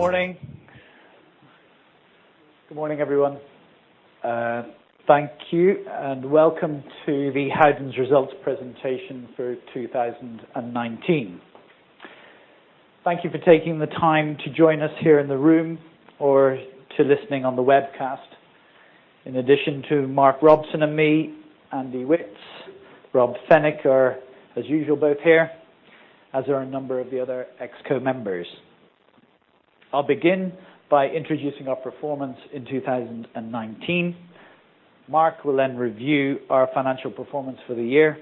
Good morning. Good morning, everyone. Thank you, and welcome to the Howdens results presentation for 2019. Thank you for taking the time to join us here in the room or to listening on the webcast. In addition to Mark Robson and me, Andy Witts, Rob Fenwick are, as usual, both here, as are a number of the other Exco members. I'll begin by introducing our performance in 2019. Mark will then review our financial performance for the year.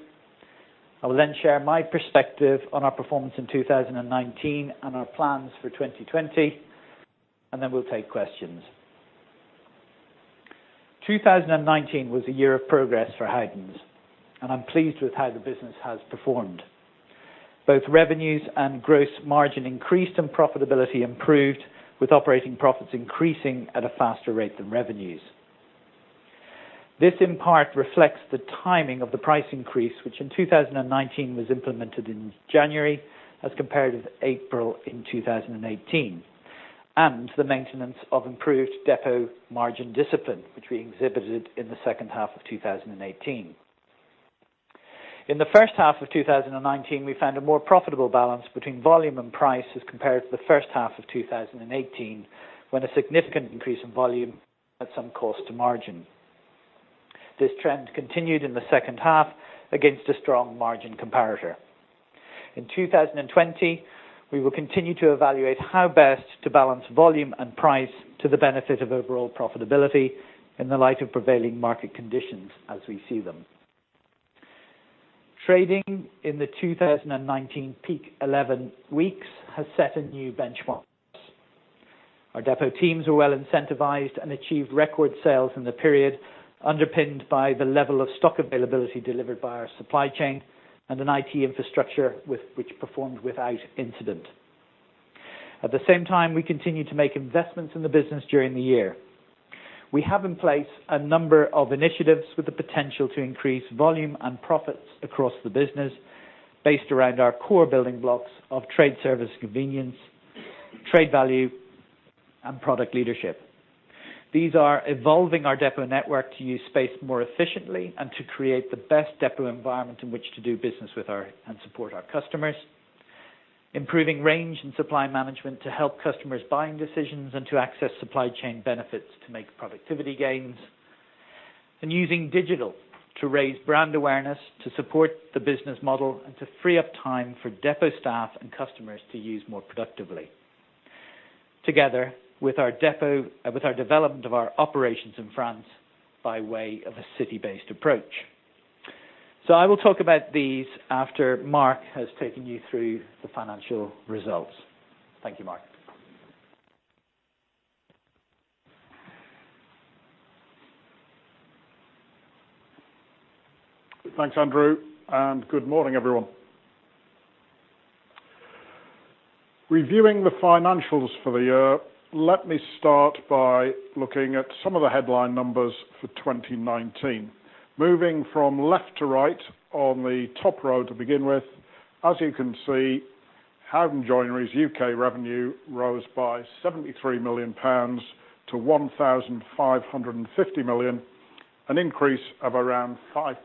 I will then share my perspective on our performance in 2019 and our plans for 2020, and then we'll take questions. 2019 was a year of progress for Howdens, and I'm pleased with how the business has performed. Both revenues and gross margin increased, and profitability improved, with operating profits increasing at a faster rate than revenues. This, in part, reflects the timing of the price increase, which in 2019 was implemented in January as compared with April in 2018, and the maintenance of improved depot margin discipline, which we exhibited in the second half of 2018. In the first half of 2019, we found a more profitable balance between volume and price as compared to the first half of 2018, when a significant increase in volume at some cost to margin. This trend continued in the second half against a strong margin comparator. In 2020, we will continue to evaluate how best to balance volume and price to the benefit of overall profitability in the light of prevailing market conditions as we see them. Trading in the 2019 peak 11 weeks has set a new benchmark. Our depot teams were well incentivized and achieved record sales in the period, underpinned by the level of stock availability delivered by our supply chain and an IT infrastructure which performed without incident. At the same time, we continued to make investments in the business during the year. We have in place a number of initiatives with the potential to increase volume and profits across the business based around our core building blocks of trade service convenience, trade value, and product leadership. These are evolving our depot network to use space more efficiently and to create the best depot environment in which to do business with and support our customers, improving range and supply management to help customers' buying decisions and to access supply chain benefits to make productivity gains, and using digital to raise brand awareness to support the business model and to free up time for depot staff and customers to use more productively. Together with our development of our operations in France by way of a city-based approach. I will talk about these after Mark has taken you through the financial results. Thank you, Mark. Thanks, Andrew, and good morning, everyone. Reviewing the financials for the year, let me start by looking at some of the headline numbers for 2019. Moving from left to right on the top row to begin with, as you can see, Howden Joinery's UK revenue rose by 73 million pounds to 1,550 million, an increase of around 5%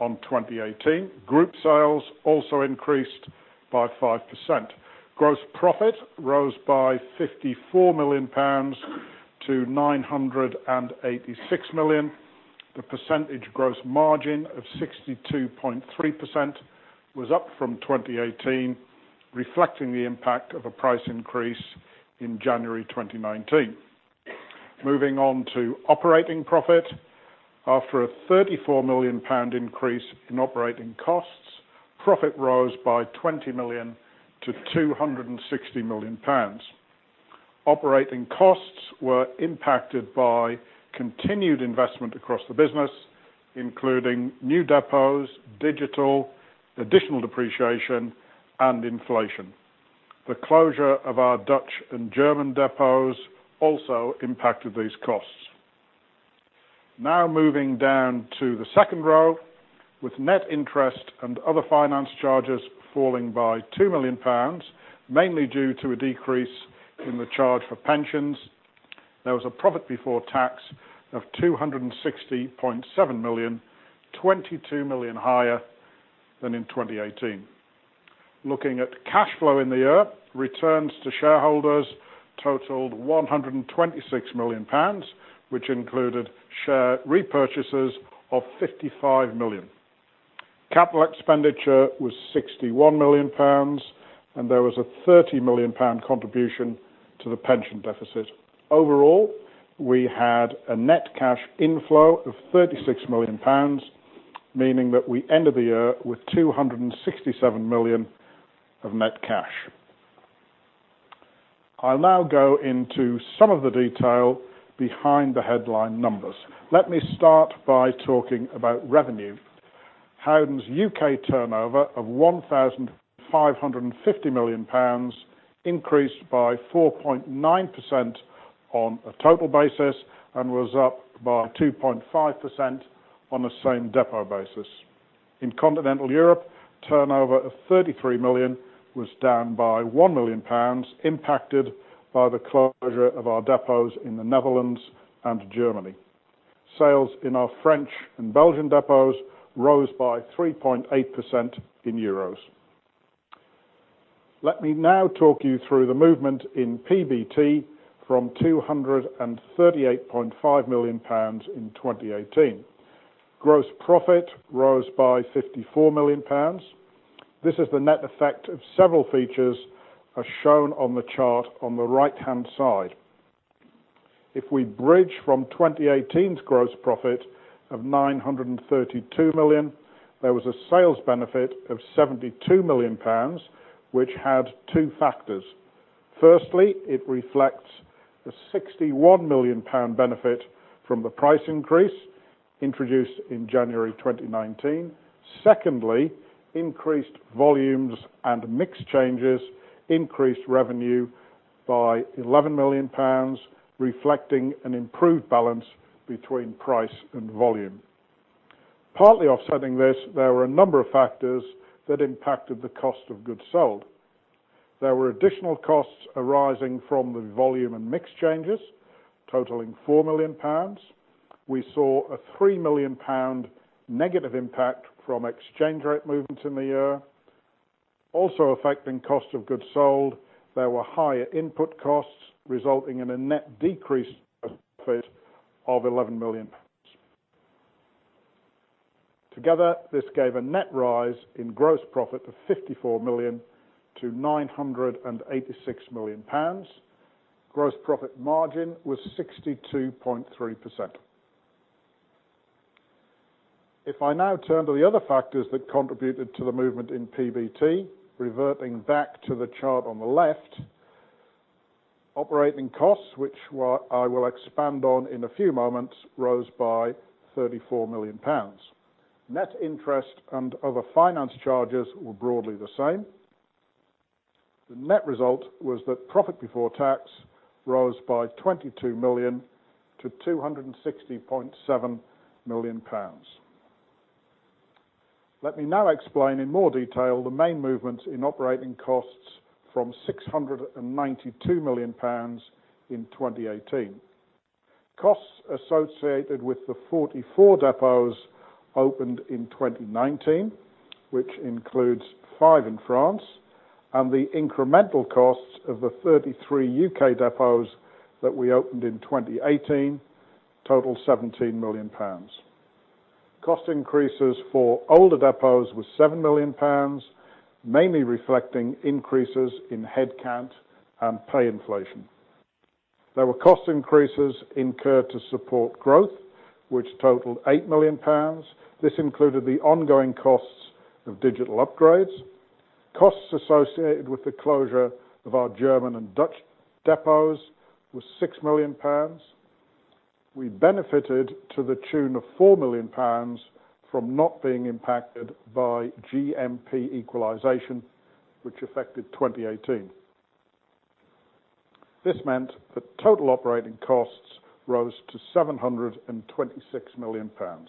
on 2018. Group sales also increased by 5%. Gross profit rose by 54 million pounds to 986 million. The percentage gross margin of 62.3% was up from 2018, reflecting the impact of a price increase in January 2019. Moving on to operating profit. After a 34 million pound increase in operating costs, profit rose by 20 million to 260 million pounds. Operating costs were impacted by continued investment across the business, including new depots, digital, additional depreciation, and inflation. The closure of our Dutch and German depots also impacted these costs. Moving down to the second row. With net interest and other finance charges falling by 2 million pounds, mainly due to a decrease in the charge for pensions, there was a profit before tax of 260.7 million, 22 million higher than in 2018. Looking at cash flow in the year, returns to shareholders totaled 126 million pounds, which included share repurchases of 55 million. Capital expenditure was 61 million pounds, and there was a 30 million pound contribution to the pension deficit. Overall, we had a net cash inflow of 36 million pounds, meaning that we ended the year with 267 million of net cash. I'll now go into some of the detail behind the headline numbers. Let me start by talking about revenue. Howdens' U.K. turnover of £1,550 million increased by 4.9% on a total basis and was up by 2.5% on a same depot basis. In continental Europe, turnover of 33 million was down by £1 million, impacted by the closure of our depots in the Netherlands and Germany. Sales in our French and Belgian depots rose by 3.8% in EUR. Let me now talk you through the movement in PBT from £238.5 million in 2018. Gross profit rose by £54 million. This is the net effect of several features as shown on the chart on the right-hand side. If we bridge from 2018's gross profit of 932 million, there was a sales benefit of £72 million, which had two factors. Firstly, it reflects the £61 million benefit from the price increase introduced in January 2019. Secondly, increased volumes and mix changes increased revenue by 11 million pounds, reflecting an improved balance between price and volume. Partly offsetting this, there were a number of factors that impacted the cost of goods sold. There were additional costs arising from the volume and mix changes totaling 4 million pounds. We saw a 3 million pound negative impact from exchange rate movements in the year. Also affecting cost of goods sold, there were higher input costs resulting in a net decrease profit of GBP 11 million. Together, this gave a net rise in gross profit of 54 million to 986 million pounds. Gross profit margin was 62.3%. If I now turn to the other factors that contributed to the movement in PBT, reverting back to the chart on the left, operating costs, which I will expand on in a few moments, rose by 34 million pounds. Net interest and other finance charges were broadly the same. The net result was that profit before tax rose by 22 million to 260.7 million pounds. Let me now explain in more detail the main movements in operating costs from 692 million pounds in 2018. Costs associated with the 44 depots opened in 2019, which includes five in France, and the incremental costs of the 33 U.K. depots that we opened in 2018 total 17 million pounds. Cost increases for older depots was 7 million pounds, mainly reflecting increases in headcount and pay inflation. There were cost increases incurred to support growth, which totaled 8 million pounds. This included the ongoing costs of digital upgrades. Costs associated with the closure of our German and Dutch depots was 6 million pounds. We benefited to the tune of 4 million pounds from not being impacted by GMP equalisation, which affected 2018. This meant that total operating costs rose to 726 million pounds.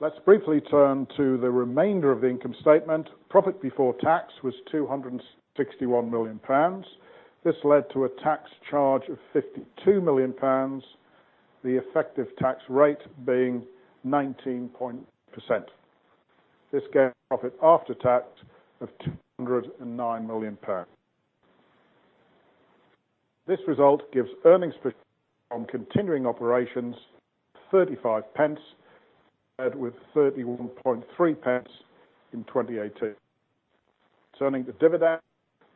Let's briefly turn to the remainder of the income statement. Profit before tax was 261 million pounds. This led to a tax charge of 52 million pounds, the effective tax rate being 19%. This gave a profit after tax of 209 million pounds. This result gives earnings per share on continuing operations 0.35, and with 0.313 in 2018. Turning to dividend,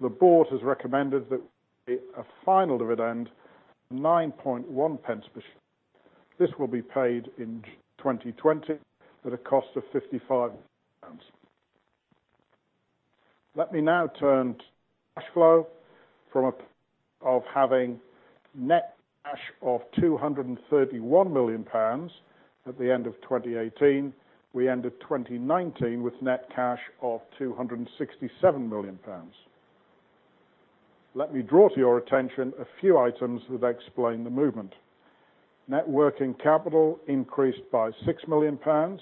the board has recommended that a final dividend of 0.091 per share. This will be paid in 2020 at a cost of 55 pounds. Let me now turn to cash flow from having net cash of 231 million pounds at the end of 2018. We ended 2019 with net cash of 267 million pounds. Let me draw to your attention a few items that explain the movement. Net working capital increased by 6 million pounds,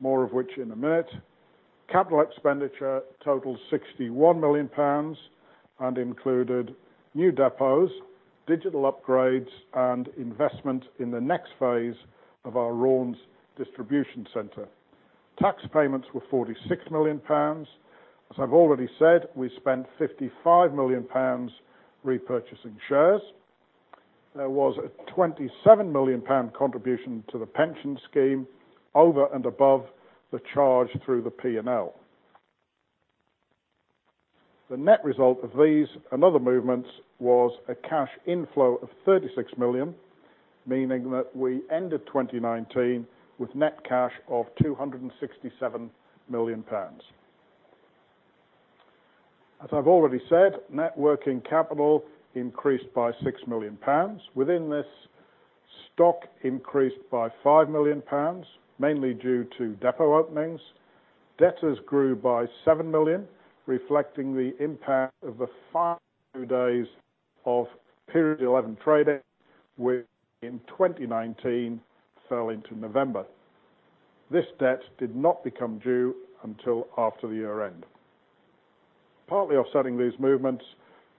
more of which in a minute. Capital expenditure totaled 61 million pounds and included new depots, digital upgrades, and investment in the next phase of our Raunds Distribution Complex. Tax payments were 46 million pounds. As I've already said, we spent 55 million pounds repurchasing shares. There was a 27 million pound contribution to the pension scheme over and above the charge through the P&L. The net result of these and other movements was a cash inflow of 36 million, meaning that we ended 2019 with net cash of 267 million pounds. As I've already said, net working capital increased by 6 million pounds. Within this, stock increased by 5 million pounds, mainly due to depot openings. Debtors grew by 7 million, reflecting the impact of the five new days of Period 11 trading, which in 2019 fell into November. This debt did not become due until after the year-end. Partly offsetting these movements,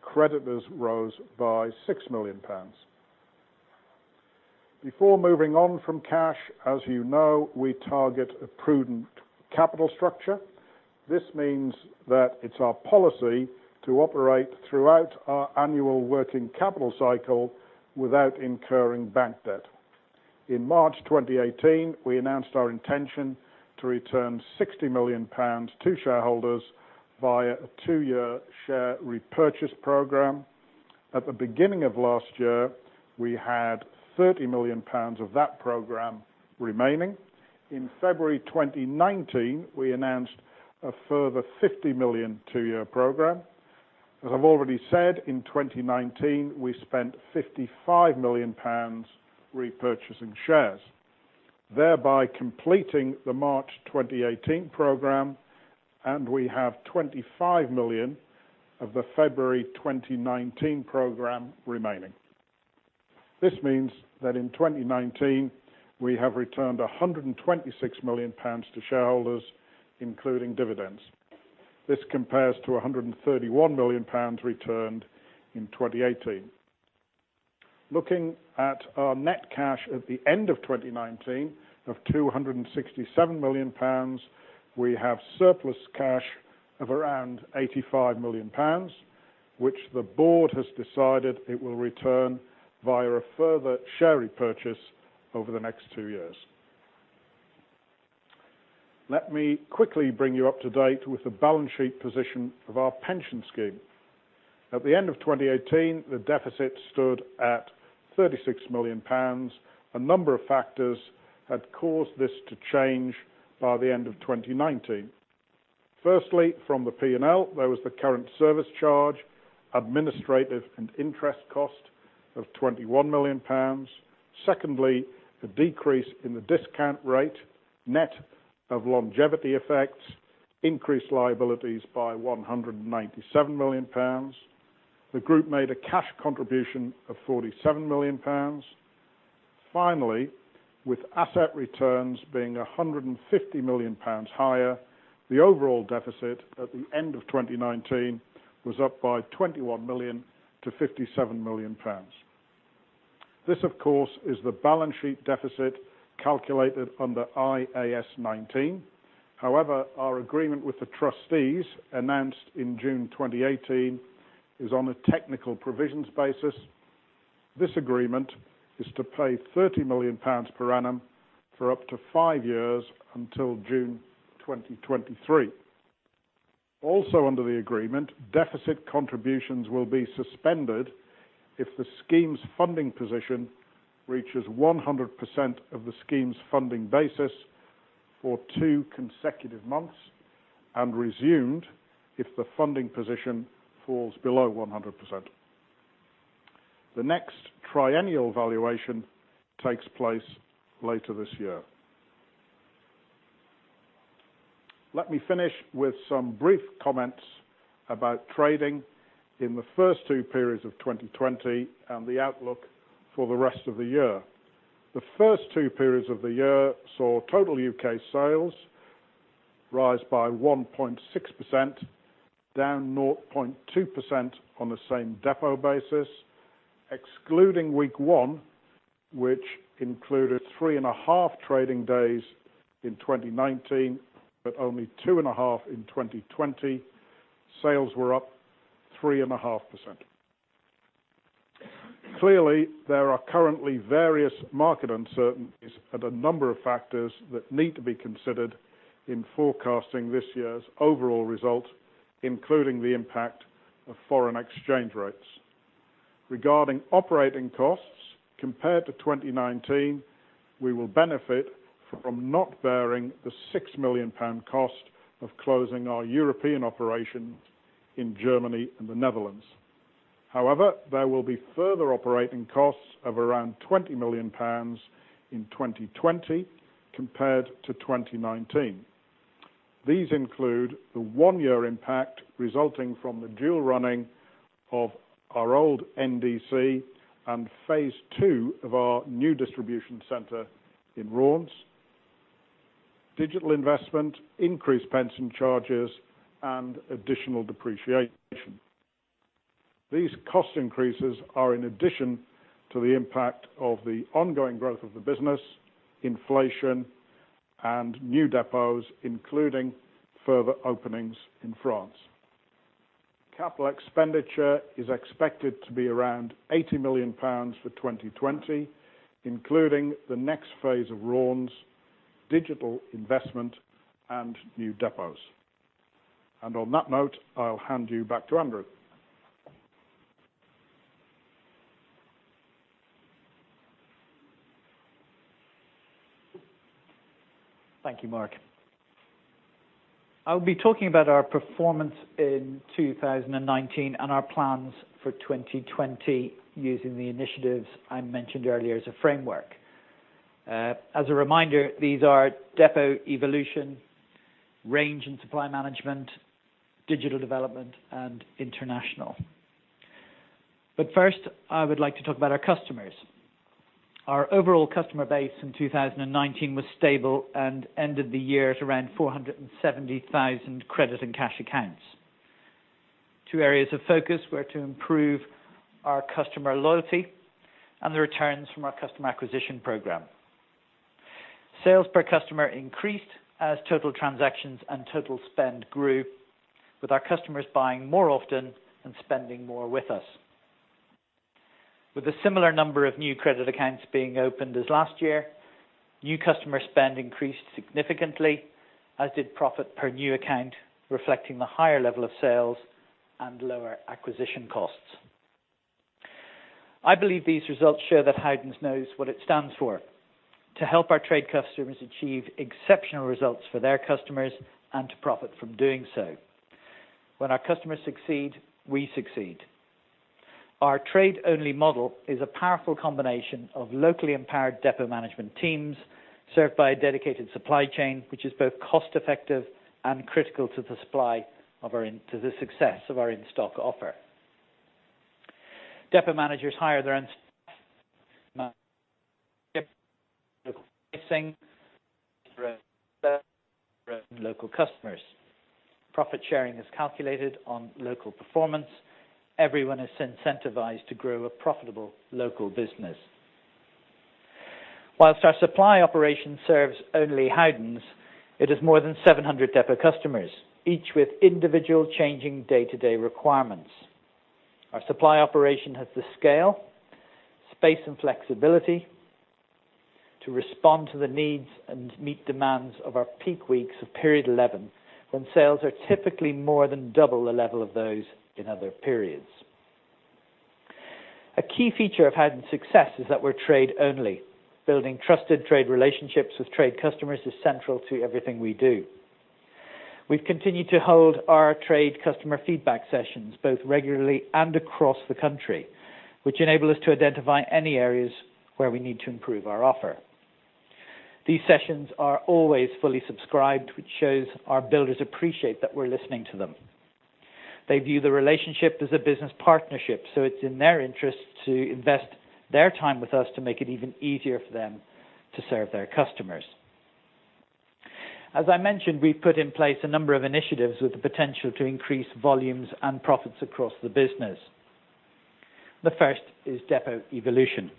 creditors rose by 6 million pounds. Before moving on from cash, as you know, we target a prudent capital structure. This means that it's our policy to operate throughout our annual working capital cycle without incurring bank debt. In March 2018, we announced our intention to return 60 million pounds to shareholders via a two-year share repurchase program. At the beginning of last year, we had 30 million pounds of that program remaining. In February 2019, we announced a further 50 million two-year program. As I've already said, in 2019, we spent 55 million pounds repurchasing shares, thereby completing the March 2018 program, and we have 25 million of the February 2019 program remaining. This means that in 2019, we have returned 126 million pounds to shareholders, including dividends. This compares to 131 million pounds returned in 2018. Looking at our net cash at the end of 2019 of 267 million pounds, we have surplus cash of around 85 million pounds, which the board has decided it will return via a further share repurchase over the next two years. Let me quickly bring you up to date with the balance sheet position of our pension scheme. At the end of 2018, the deficit stood at 36 million pounds. A number of factors had caused this to change by the end of 2019. Firstly, from the P&L, there was the current service charge, administrative and interest cost of 21 million pounds. Secondly, the decrease in the discount rate, net of longevity effects, increased liabilities by 197 million pounds. The group made a cash contribution of 47 million pounds. Finally, with asset returns being 150 million pounds higher, the overall deficit at the end of 2019 was up by 21 million to 57 million pounds. This, of course, is the balance sheet deficit calculated under IAS 19. However, our agreement with the trustees, announced in June 2018, is on a technical provisions basis. This agreement is to pay 30 million pounds per annum for up to five years until June 2023. Also under the agreement, deficit contributions will be suspended if the scheme's funding position reaches 100% of the scheme's funding basis for two consecutive months, and resumed if the funding position falls below 100%. The next triennial valuation takes place later this year. Let me finish with some brief comments about trading in the first two periods of 2020 and the outlook for the rest of the year. The first two periods of the year saw total U.K. sales rise by 1.6%, down 0.2% on the same depot basis. Excluding week one, which included 3.5 trading days in 2019 but only 2.5 in 2020, sales were up 3.5%. Clearly, there are currently various market uncertainties and a number of factors that need to be considered in forecasting this year's overall result, including the impact of foreign exchange rates. Regarding operating costs, compared to 2019, we will benefit from not bearing the 6 million pound cost of closing our European operations in Germany and the Netherlands. There will be further operating costs of around 20 million pounds in 2020 compared to 2019. These include the one-year impact resulting from the dual running of our old NDC and phase 2 of our new distribution center in Raunds, digital investment, increased pension charges, and additional depreciation. These cost increases are in addition to the impact of the ongoing growth of the business, inflation, and new depots, including further openings in France. Capital expenditure is expected to be around 80 million pounds for 2020, including the next phase of Raunds, digital investment, and new depots. On that note, I'll hand you back to Andrew. Thank you, Mark. I'll be talking about our performance in 2019 and our plans for 2020 using the initiatives I mentioned earlier as a framework. As a reminder, these are Depot Evolution, Range and Supply Management, Digital Development, and International. First, I would like to talk about our customers. Our overall customer base in 2019 was stable and ended the year at around 470,000 credit and cash accounts. Two areas of focus were to improve our customer loyalty and the returns from our customer acquisition program. Sales per customer increased as total transactions and total spend grew, with our customers buying more often and spending more with us. With a similar number of new credit accounts being opened as last year, new customer spend increased significantly, as did profit per new account, reflecting the higher level of sales and lower acquisition costs. I believe these results show that Howdens knows what it stands for, to help our trade customers achieve exceptional results for their customers and to profit from doing so. When our customers succeed, we succeed. Our trade-only model is a powerful combination of locally empowered depot management teams served by a dedicated supply chain, which is both cost-effective and critical to the success of our in-stock offer. Depot managers hire their own local customers. Profit sharing is calculated on local performance. Everyone is incentivized to grow a profitable local business. Whilst our supply operation serves only Howdens, it has more than 700 depot customers, each with individual changing day-to-day requirements. Our supply operation has the scale, space, and flexibility to respond to the needs and meet demands of our peak weeks of Period 11, when sales are typically more than double the level of those in other periods. A key feature of Howdens' success is that we're trade only. Building trusted trade relationships with trade customers is central to everything we do. We've continued to hold our trade customer feedback sessions, both regularly and across the country, which enable us to identify any areas where we need to improve our offer. These sessions are always fully subscribed, which shows our builders appreciate that we're listening to them. They view the relationship as a business partnership, so it's in their interest to invest their time with us to make it even easier for them to serve their customers. As I mentioned, we've put in place a number of initiatives with the potential to increase volumes and profits across the business. The first is depot evolution.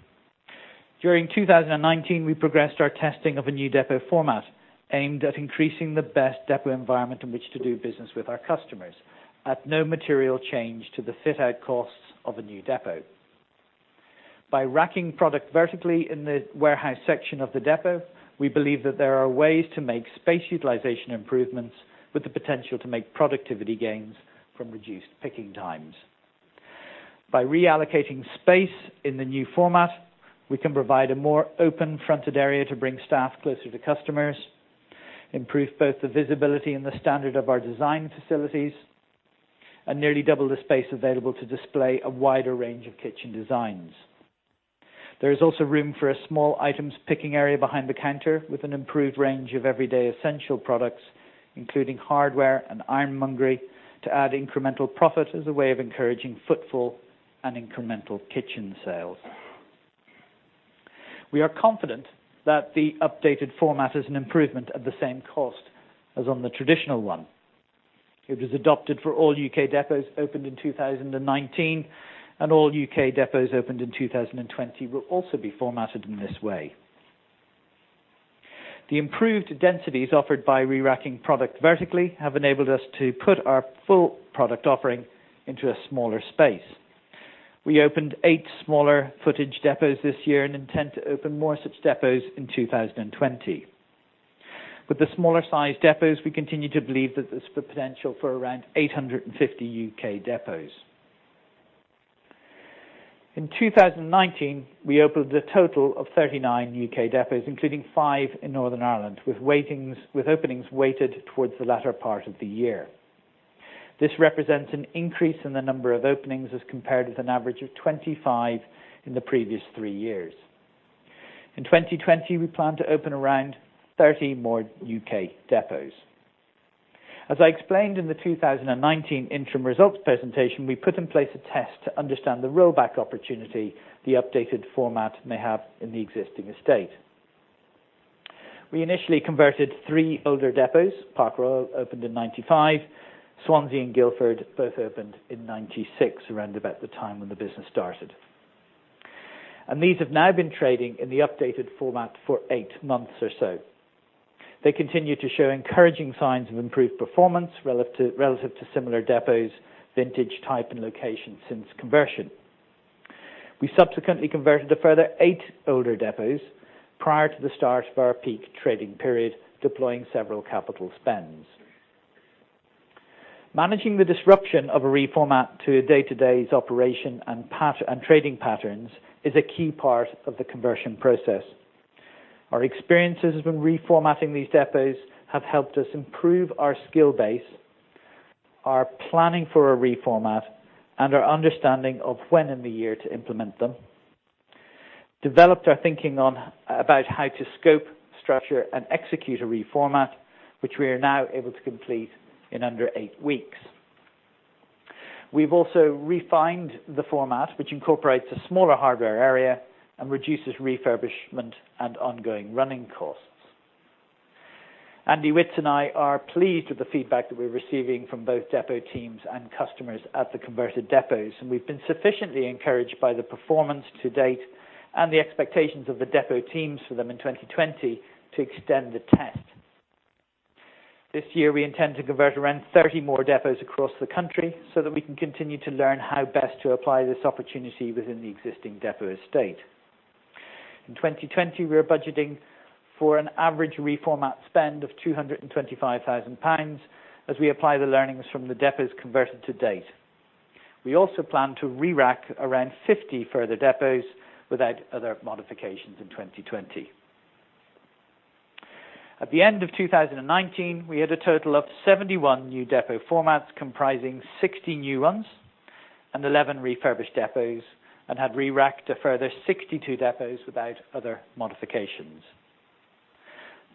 During 2019, we progressed our testing of a new depot format aimed at increasing the best depot environment in which to do business with our customers at no material change to the fit-out costs of a new depot. By racking product vertically in the warehouse section of the depot, we believe that there are ways to make space utilization improvements with the potential to make productivity gains from reduced picking times. By reallocating space in the new format, we can provide a more open-fronted area to bring staff closer to customers, improve both the visibility and the standard of our design facilities, and nearly double the space available to display a wider range of kitchen designs. There is also room for a small items picking area behind the counter with an improved range of everyday essential products, including hardware and ironmongery, to add incremental profit as a way of encouraging footfall and incremental kitchen sales. We are confident that the updated format is an improvement at the same cost as on the traditional one. It was adopted for all U.K. depots opened in 2019, and all U.K. depots opened in 2020 will also be formatted in this way. The improved densities offered by re-racking product vertically have enabled us to put our full product offering into a smaller space. We opened eight smaller footage depots this year and intend to open more such depots in 2020. With the smaller size depots, we continue to believe that there's the potential for around 850 U.K. depots. In 2019, we opened a total of 39 U.K. depots, including five in Northern Ireland, with openings weighted towards the latter part of the year. This represents an increase in the number of openings as compared with an average of 25 in the previous three years. In 2020, we plan to open around 30 more U.K. depots. As I explained in the 2019 interim results presentation, we put in place a test to understand the rollback opportunity the updated format may have in the existing estate. We initially converted three older depots. Park Royal opened in 1995. Swansea and Guildford both opened in 1996, around about the time when the business started. These have now been trading in the updated format for eight months or so. They continue to show encouraging signs of improved performance relative to similar depots, vintage type, and location since conversion. We subsequently converted a further eight older depots prior to the start of our peak trading period, deploying several capital spends. Managing the disruption of a reformat to a day-to-day's operation and trading patterns is a key part of the conversion process. Our experiences when reformatting these depots have helped us improve our skill base, our planning for a reformat and our understanding of when in the year to implement them, developed our thinking about how to scope, structure, and execute a reformat, which we are now able to complete in under eight weeks. We've also refined the format, which incorporates a smaller hardware area and reduces refurbishment and ongoing running costs. Andy Witts and I are pleased with the feedback that we're receiving from both depot teams and customers at the converted depots, and we've been sufficiently encouraged by the performance to date and the expectations of the depot teams for them in 2020 to extend the test. This year, we intend to convert around 30 more depots across the country so that we can continue to learn how best to apply this opportunity within the existing depot estate. In 2020, we are budgeting for an average reformat spend of 225,000 pounds as we apply the learnings from the depots converted to date. We also plan to re-rack around 50 further depots without other modifications in 2020. At the end of 2019, we had a total of 71 new depot formats comprising 60 new ones and 11 refurbished depots and had re-racked a further 62 depots without other modifications.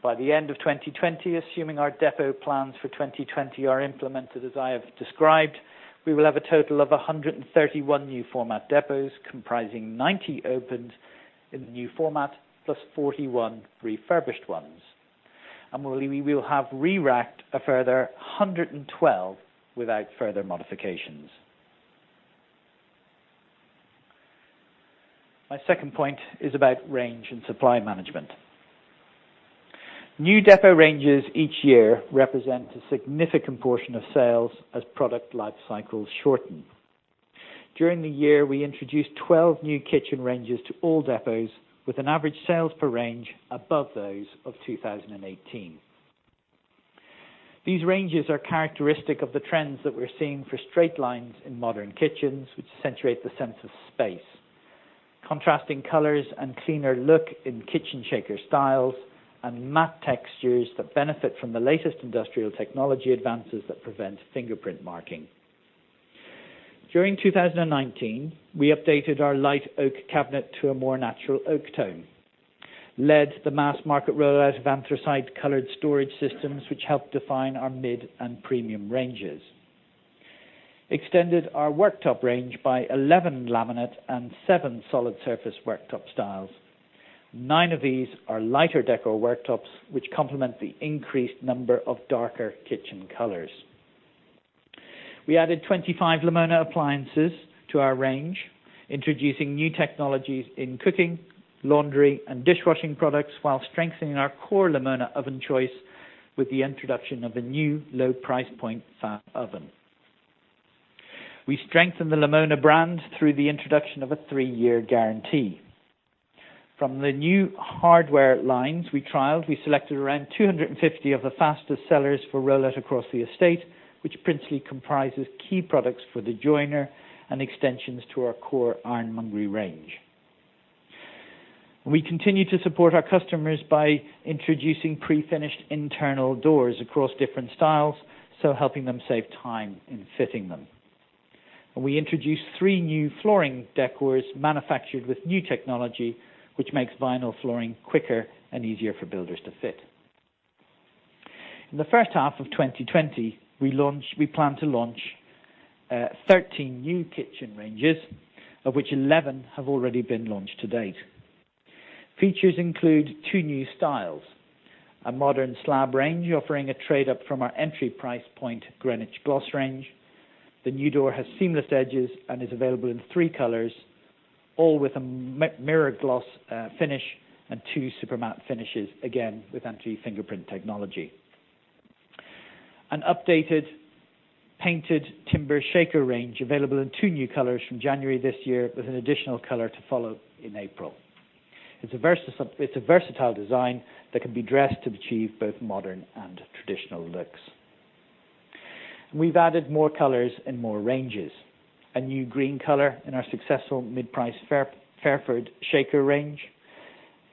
By the end of 2020, assuming our depot plans for 2020 are implemented as I have described, we will have a total of 131 new format depots comprising 90 opened in the new format plus 41 refurbished ones. We will have re-racked a further 112 without further modifications. My second point is about range and supply management. New depot ranges each year represent a significant portion of sales as product life cycles shorten. During the year, we introduced 12 new kitchen ranges to all depots with an average sales per range above those of 2018. These ranges are characteristic of the trends that we're seeing for straight lines in modern kitchens, which accentuate the sense of space, contrasting colors and cleaner look in kitchen shaker styles, and matte textures that benefit from the latest industrial technology advances that prevent fingerprint marking. During 2019, we updated our light oak cabinet to a more natural oak tone, led the mass market rollout of anthracite-colored storage systems, which helped define our mid and premium ranges, extended our worktop range by 11 laminate and seven solid surface worktop styles. Nine of these are lighter decor worktops, which complement the increased number of darker kitchen colors. We added 25 Lamona appliances to our range, introducing new technologies in cooking, laundry, and dishwashing products while strengthening our core Lamona oven choice with the introduction of a new low price point fan oven. We strengthened the Lamona brand through the introduction of a three-year guarantee. From the new hardware lines we trialed, we selected around 250 of the fastest sellers for rollout across the estate, which principally comprises key products for the joiner and extensions to our core ironmongery range. We continue to support our customers by introducing pre-finished internal doors across different styles, helping them save time in fitting them. We introduced three new flooring decors manufactured with new technology, which makes vinyl flooring quicker and easier for builders to fit. In the first half of 2020, we plan to launch 13 new kitchen ranges, of which 11 have already been launched to date. Features include two new styles, a modern slab range offering a trade-up from our entry price point Greenwich gloss range. The new door has seamless edges and is available in three colors, all with a mirror gloss finish and two super matte finishes, again with anti-fingerprint technology. An updated painted timber shaker range available in two new colors from January this year with an additional color to follow in April. It's a versatile design that can be dressed to achieve both modern and traditional looks. We've added more colors and more ranges. A new green color in our successful mid-price Fairford Shaker range.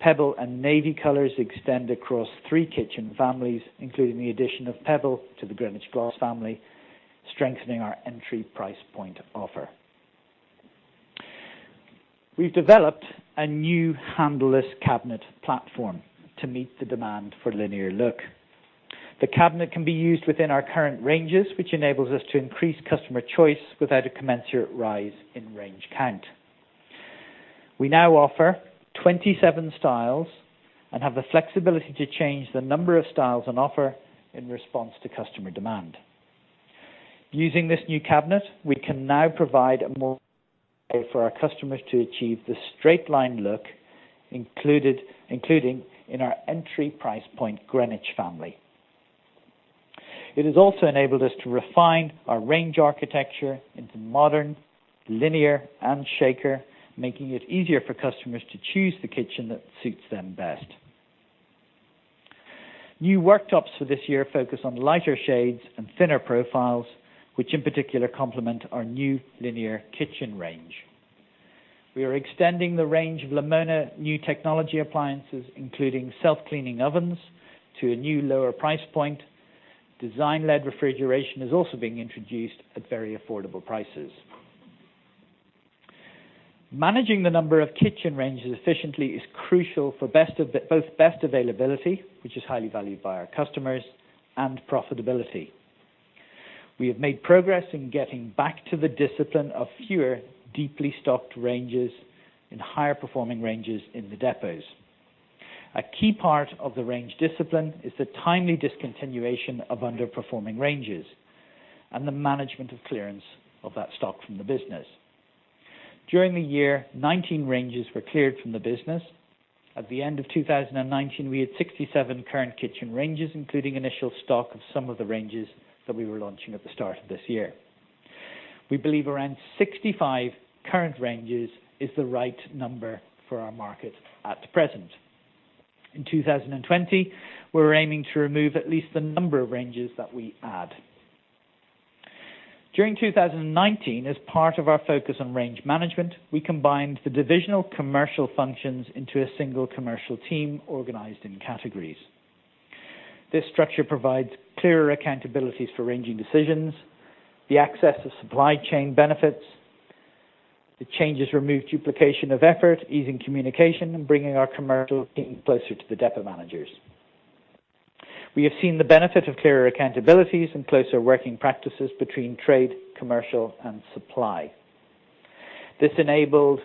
Pebble and navy colors extend across 3 kitchen families, including the addition of pebble to the Greenwich Gloss family, strengthening our entry price point offer. We've developed a new handleless cabinet platform to meet the demand for linear look. The cabinet can be used within our current ranges, which enables us to increase customer choice without a commensurate rise in range count. We now offer 27 styles and have the flexibility to change the number of styles on offer in response to customer demand. Using this new cabinet, we can now provide a more for our customers to achieve the straight line look including in our entry price point Greenwich family. It has also enabled us to refine our range architecture into modern, linear, and shaker, making it easier for customers to choose the kitchen that suits them best. New worktops for this year focus on lighter shades and thinner profiles, which in particular complement our new linear kitchen range. We are extending the range of Lamona new technology appliances, including self-cleaning ovens, to a new lower price point. Design-led refrigeration is also being introduced at very affordable prices. Managing the number of kitchen ranges efficiently is crucial for both best availability, which is highly valued by our customers, and profitability. We have made progress in getting back to the discipline of fewer deeply stocked ranges and higher performing ranges in the depots. A key part of the range discipline is the timely discontinuation of underperforming ranges and the management of clearance of that stock from the business. During the year, 19 ranges were cleared from the business. At the end of 2019, we had 67 current kitchen ranges, including initial stock of some of the ranges that we were launching at the start of this year. We believe around 65 current ranges is the right number for our market at present. In 2020, we're aiming to remove at least the number of ranges that we add. During 2019, as part of our focus on range management, we combined the divisional commercial functions into a single commercial team organized in categories. This structure provides clearer accountabilities for ranging decisions, the access of supply chain benefits. The changes remove duplication of effort, easing communication, and bringing our commercial team closer to the depot managers. We have seen the benefit of clearer accountabilities and closer working practices between trade, commercial, and supply. This enabled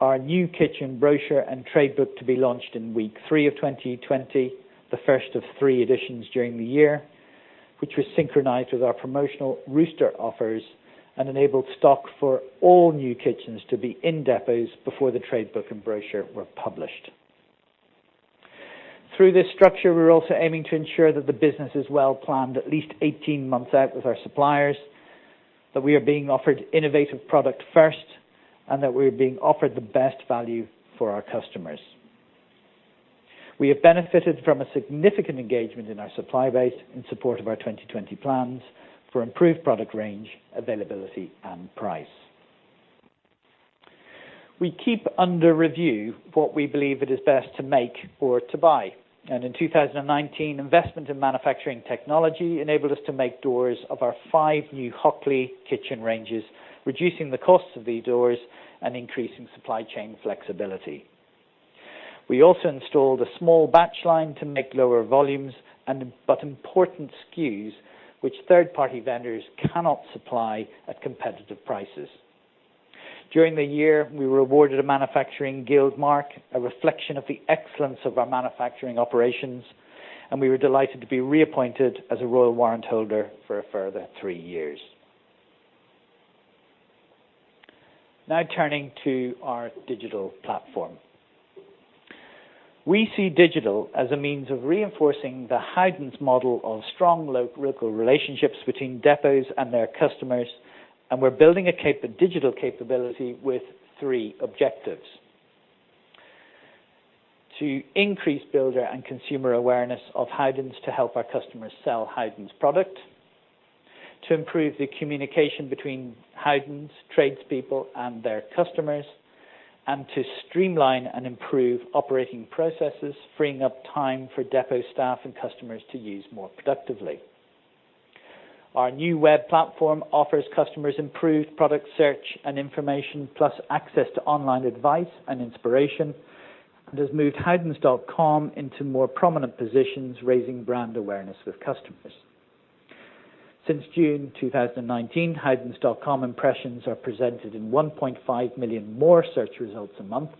our new kitchen brochure and trade book to be launched in week three of 2020, the first of three editions during the year, which was synchronized with our promotional roster offers and enabled stock for all new kitchens to be in depots before the trade book and brochure were published. Through this structure, we're also aiming to ensure that the business is well planned at least 18 months out with our suppliers, that we are being offered innovative product first, and that we are being offered the best value for our customers. We have benefited from a significant engagement in our supply base in support of our 2020 plans for improved product range, availability, and price. We keep under review what we believe it is best to make or to buy. In 2019, investment in manufacturing technology enabled us to make doors of our five new Hockley kitchen ranges, reducing the costs of these doors and increasing supply chain flexibility. We also installed a small batch line to make lower volumes, but important SKUs which third-party vendors cannot supply at competitive prices. During the year, we were awarded a Manufacturing Guild Mark, a reflection of the excellence of our manufacturing operations, and we were delighted to be reappointed as a Royal Warrant holder for a further three years. Now turning to our digital platform. We see digital as a means of reinforcing the Howdens' model of strong local relationships between depots and their customers, and we're building a digital capability with three objectives. To increase builder and consumer awareness of Howdens to help our customers sell Howdens product, to improve the communication between Howdens tradespeople and their customers, and to streamline and improve operating processes, freeing up time for depot staff and customers to use more productively. Our new web platform offers customers improved product search and information, plus access to online advice and inspiration, and has moved howdens.com into more prominent positions, raising brand awareness with customers. Since June 2019, howdens.com impressions are presented in 1.5 million more search results a month.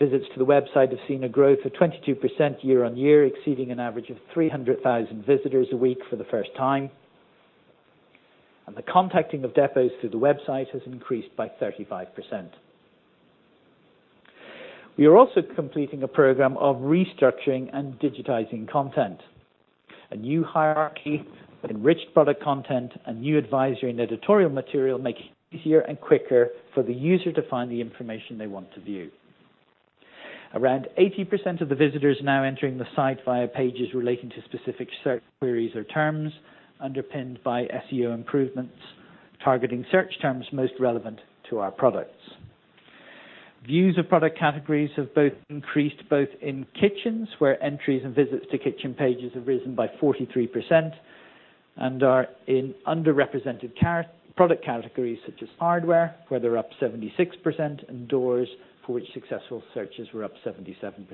Visits to the website have seen a growth of 22% year-on-year, exceeding an average of 300,000 visitors a week for the first time. The contacting of depots through the website has increased by 35%. We are also completing a program of restructuring and digitizing content. A new hierarchy, enriched product content, and new advisory and editorial material make it easier and quicker for the user to find the information they want to view. Around 80% of the visitors now entering the site via pages relating to specific search queries or terms underpinned by SEO improvements, targeting search terms most relevant to our products. Views of product categories have increased both in kitchens where entries and visits to kitchen pages have risen by 43% and are in underrepresented product categories such as hardware, where they're up 76%, and doors for which successful searches were up 77%.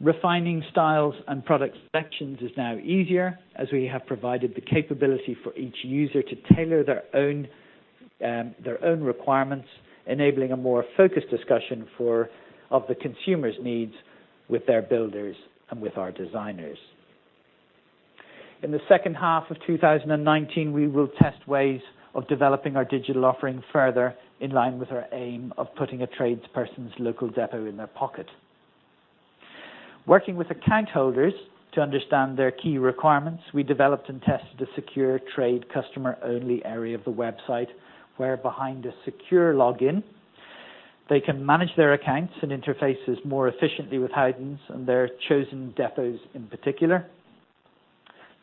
Refining styles and product selections is now easier as we have provided the capability for each user to tailor their own requirements, enabling a more focused discussion of the consumer's needs with their builders and with our designers. In the second half of 2019, we will test ways of developing our digital offering further in line with our aim of putting a tradesperson's local depot in their pocket. Working with account holders to understand their key requirements, we developed and tested a secure trade customer-only area of the website where behind a secure login, they can manage their accounts and interfaces more efficiently with Howdens and their chosen depots in particular.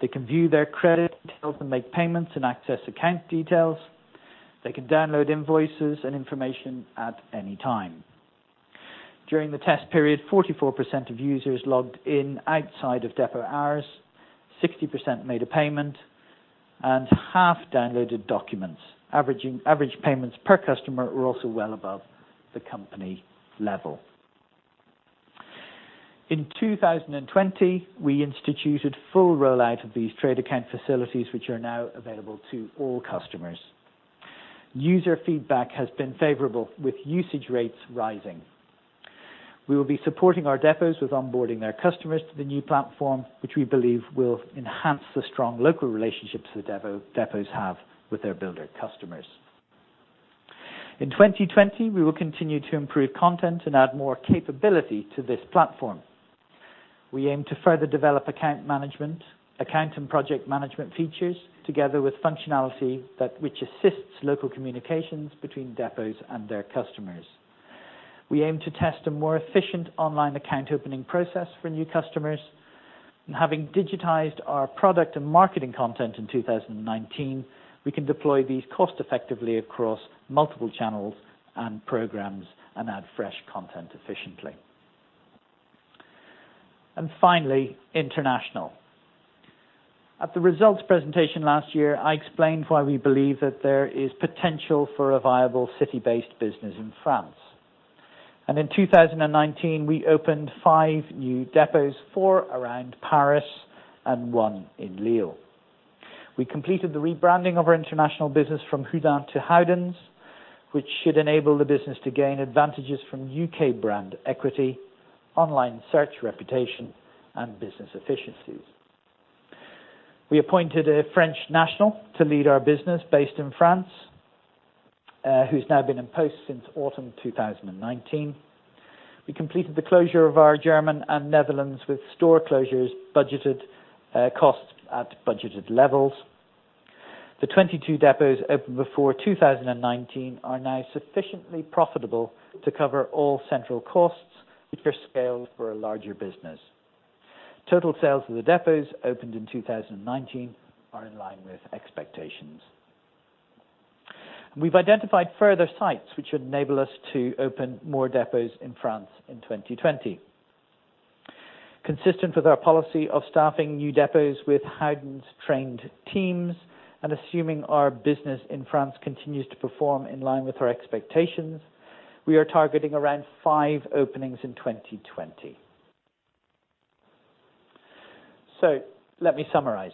They can view their credit details and make payments and access account details. They can download invoices and information at any time. During the test period, 44% of users logged in outside of depot hours, 60% made a payment, and half downloaded documents. Average payments per customer were also well above the company level. In 2020, we instituted full rollout of these trade account facilities, which are now available to all customers. User feedback has been favorable, with usage rates rising. We will be supporting our depots with onboarding their customers to the new platform, which we believe will enhance the strong local relationships the depots have with their builder customers. In 2020, we will continue to improve content and add more capability to this platform. We aim to further develop account management, account and project management features, together with functionality which assists local communications between depots and their customers. We aim to test a more efficient online account opening process for new customers, and having digitized our product and marketing content in 2019, we can deploy these cost effectively across multiple channels and programs and add fresh content efficiently. Finally, international. At the results presentation last year, I explained why we believe that there is potential for a viable city-based business in France. In 2019, we opened 5 new depots, 4 around Paris and 1 in Lille. We completed the rebranding of our international business from Howden to Howdens, which should enable the business to gain advantages from U.K. brand equity, online search reputation, and business efficiencies. We appointed a French national to lead our business based in France, who's now been in post since autumn 2019. We completed the closure of our German and Netherlands with store closures, costs at budgeted levels. The 22 depots opened before 2019 are now sufficiently profitable to cover all central costs, which are scaled for a larger business. Total sales of the depots opened in 2019 are in line with expectations. We've identified further sites which would enable us to open more depots in France in 2020. Consistent with our policy of staffing new depots with Howdens-trained teams and assuming our business in France continues to perform in line with our expectations, we are targeting around five openings in 2020. Let me summarize.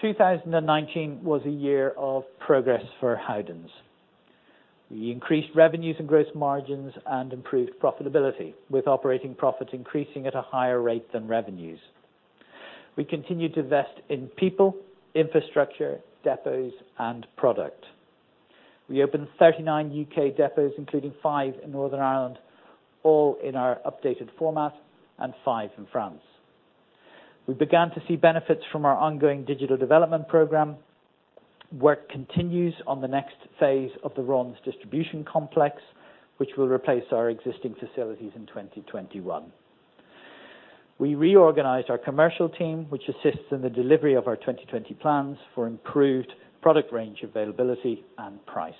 2019 was a year of progress for Howdens. We increased revenues and gross margins and improved profitability, with operating profits increasing at a higher rate than revenues. We continued to invest in people, infrastructure, depots, and product. We opened 39 U.K. depots, including five in Northern Ireland, all in our updated format, and five in France. We began to see benefits from our ongoing digital development program. Work continues on the next phase of the Raunds Distribution Complex, which will replace our existing facilities in 2021. We reorganized our commercial team, which assists in the delivery of our 2020 plans for improved product range availability and price.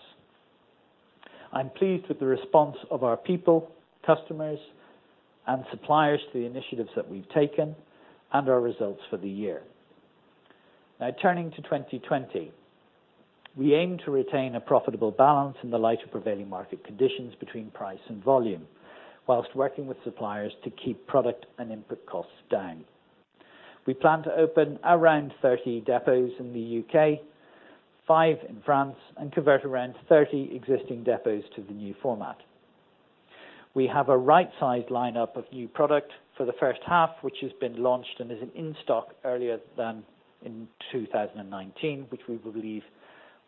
I'm pleased with the response of our people, customers, and suppliers to the initiatives that we've taken and our results for the year. Now turning to 2020. We aim to retain a profitable balance in the light of prevailing market conditions between price and volume, whilst working with suppliers to keep product and input costs down. We plan to open around 30 depots in the U.K., five in France, and convert around 30 existing depots to the new format. We have a right-sized lineup of new product for the first half, which has been launched and is in stock earlier than in 2019, which we believe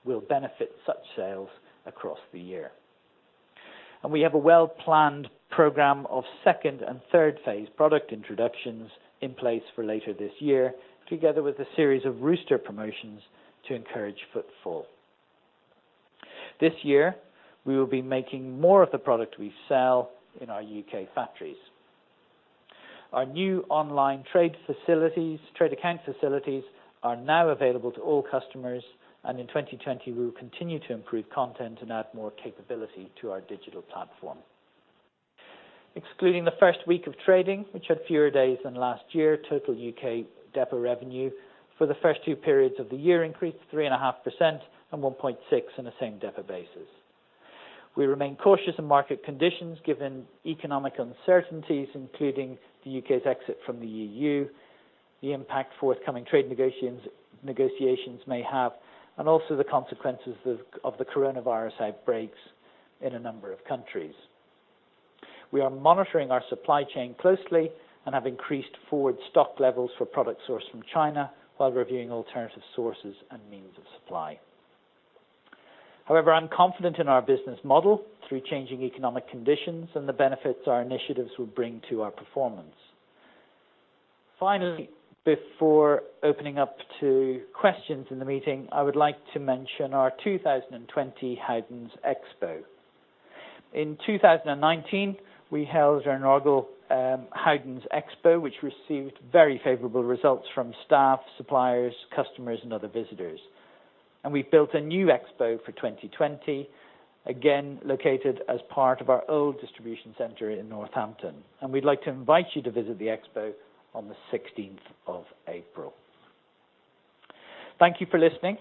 will benefit such sales across the year. We have a well-planned program of second and third phase product introductions in place for later this year, together with a series of roster promotions to encourage footfall. This year, we will be making more of the product we sell in our U.K. factories. Our new online trade account facilities are now available to all customers, and in 2020, we will continue to improve content and add more capability to our digital platform. Excluding the first week of trading, which had fewer days than last year, total U.K. depot revenue for the first two periods of the year increased 3.5% and 1.6% on a same depot basis. We remain cautious of market conditions given economic uncertainties, including the U.K.'s exit from the EU, the impact forthcoming trade negotiations may have, and also the consequences of the coronavirus outbreaks in a number of countries. We are monitoring our supply chain closely and have increased forward stock levels for product sourced from China while reviewing alternative sources and means of supply. I'm confident in our business model through changing economic conditions and the benefits our initiatives will bring to our performance. Finally, before opening up to questions in the meeting, I would like to mention our 2020 Howdens Expo. In 2019, we held our annual Howdens Expo, which received very favorable results from staff, suppliers, customers, and other visitors. We've built a new expo for 2020, again, located as part of our old distribution center in Northampton. We'd like to invite you to visit the expo on the 16th of April. Thank you for listening.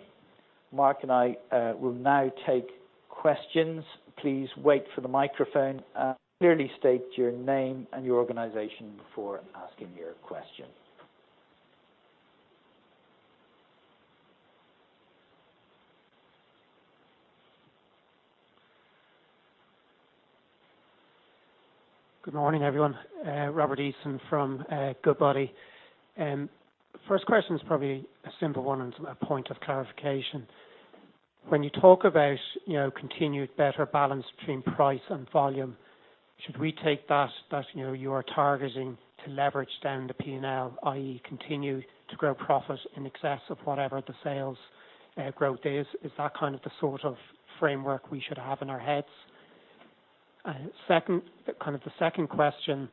Mark and I will now take questions. Please wait for the microphone, and clearly state your name and your organization before asking your question. Good morning, everyone. Robert Easton from Goodbody. First question is probably a simple one and a point of clarification. When you talk about continued better balance between price and volume, should we take that that you are targeting to leverage down the P&L, i.e., continue to grow profit in excess of whatever the sales growth is? Is that the sort of framework we should have in our heads? The second question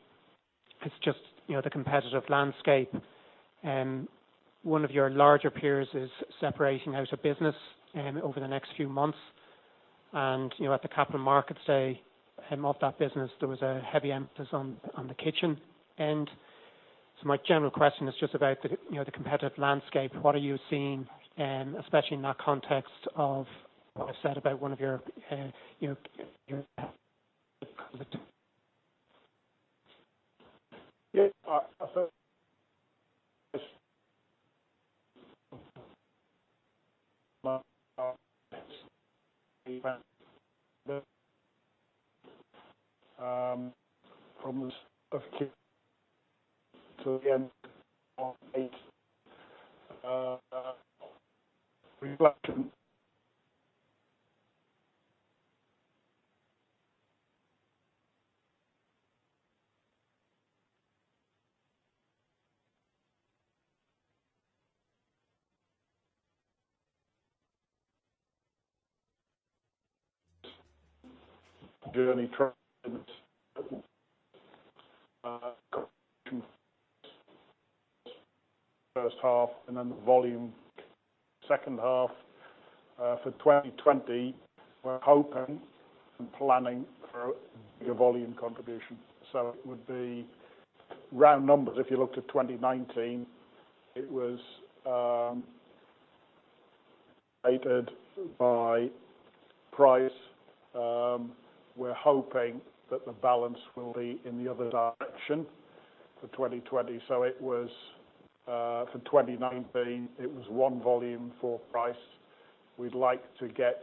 is just the competitive landscape. One of your larger peers is separating out a business over the next few months. At the capital markets day of that business, there was a heavy emphasis on the kitchen end. My general question is just about the competitive landscape. What are you seeing, especially in that context of what I said about one of your From the to the end of journey first half and then the volume second half. For 2020, we're hoping and planning for a bigger volume contribution. It would be round numbers. If you looked at 2019, it was aided by price. We're hoping that the balance will be in the other direction for 2020. For 2019, it was one volume, four price. We'd like to get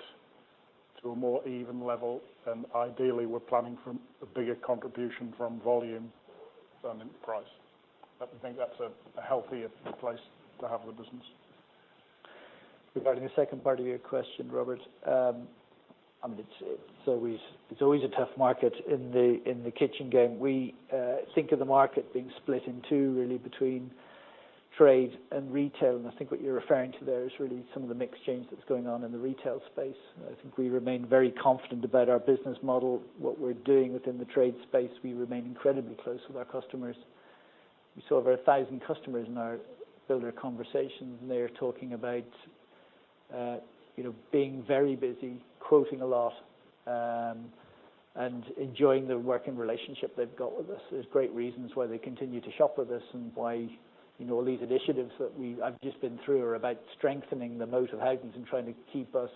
to a more even level, and ideally, we're planning for a bigger contribution from volume than in price. We think that's a healthier place to have the business. Regarding the second part of your question, Robert, it's always a tough market in the kitchen game. We think of the market being split in two, really, between trade and retail. I think what you're referring to there is really some of the mix change that's going on in the retail space. I think we remain very confident about our business model, what we're doing within the trade space. We remain incredibly close with our customers. We saw over 1,000 customers in our Builder Conversations. They are talking about being very busy, quoting a lot, and enjoying the working relationship they've got with us. There's great reasons why they continue to shop with us and why all these initiatives that I've just been through are about strengthening the moat of Howdens and trying to keep us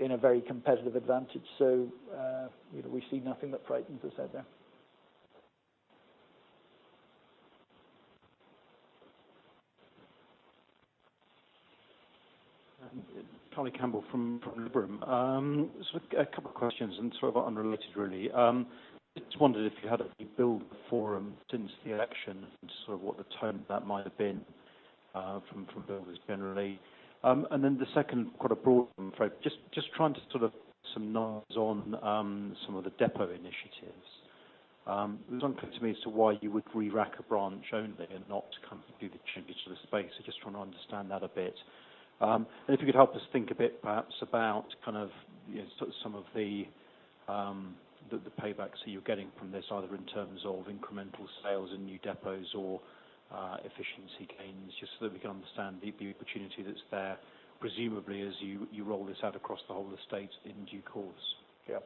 in a very competitive advantage. We see nothing that frightens us out there. Charlie Campbell from Liberum. A couple questions sort of unrelated really. Just wondered if you had any Builder Conversations since the election sort of what the tone of that might have been from builders generally. Then the second, kind of broad one, just trying to sort of some nods on some of the depot initiatives. It was unclear to me as to why you would re-rack a branch only and not kind of do the change to the space. I'm just trying to understand that a bit. If you could help us think a bit perhaps about some of the paybacks that you're getting from this, either in terms of incremental sales in new depots or efficiency gains, just so that we can understand the opportunity that's there, presumably as you roll this out across the whole estate in due course. Yeah.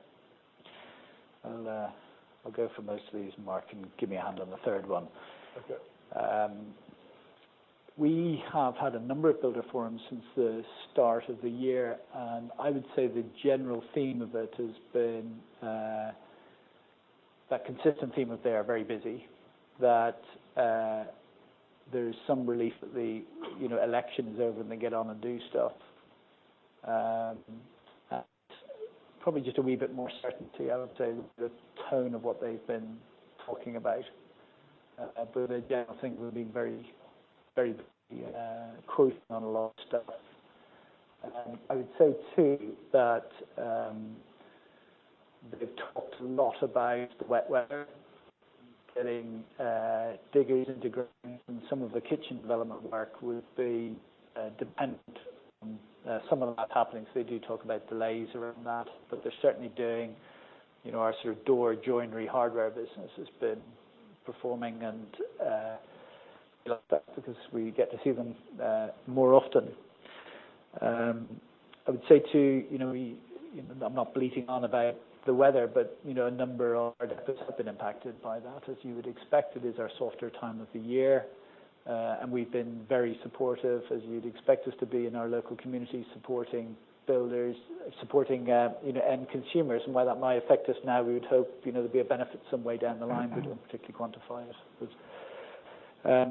I'll go for most of these, and Mark can give me a hand on the third one. Okay. We have had a number of Builder Conversations since the start of the year, and I would say the general theme of it has been that consistent theme of they are very busy, that there is some relief that the election is over, and they can get on and do stuff. Probably just a wee bit more certainty, I would say, the tone of what they've been talking about. Again, I think we've been very busy quoting on a lot of stuff. I would say, too, that they've talked a lot about wet weather Getting diggers into ground and some of the kitchen development work will be dependent on some of that happening. They do talk about delays around that, but they're certainly doing our sort of door, joinery, hardware business has been performing, and that's because we get to see them more often. I would say, too, I'm not bleating on about the weather, but a number of our depots have been impacted by that. As you would expect, it is our softer time of the year, and we've been very supportive, as you'd expect us to be, in our local community, supporting builders, supporting end consumers. While that might affect us now, we would hope there'd be a benefit some way down the line, but we don't particularly quantify it.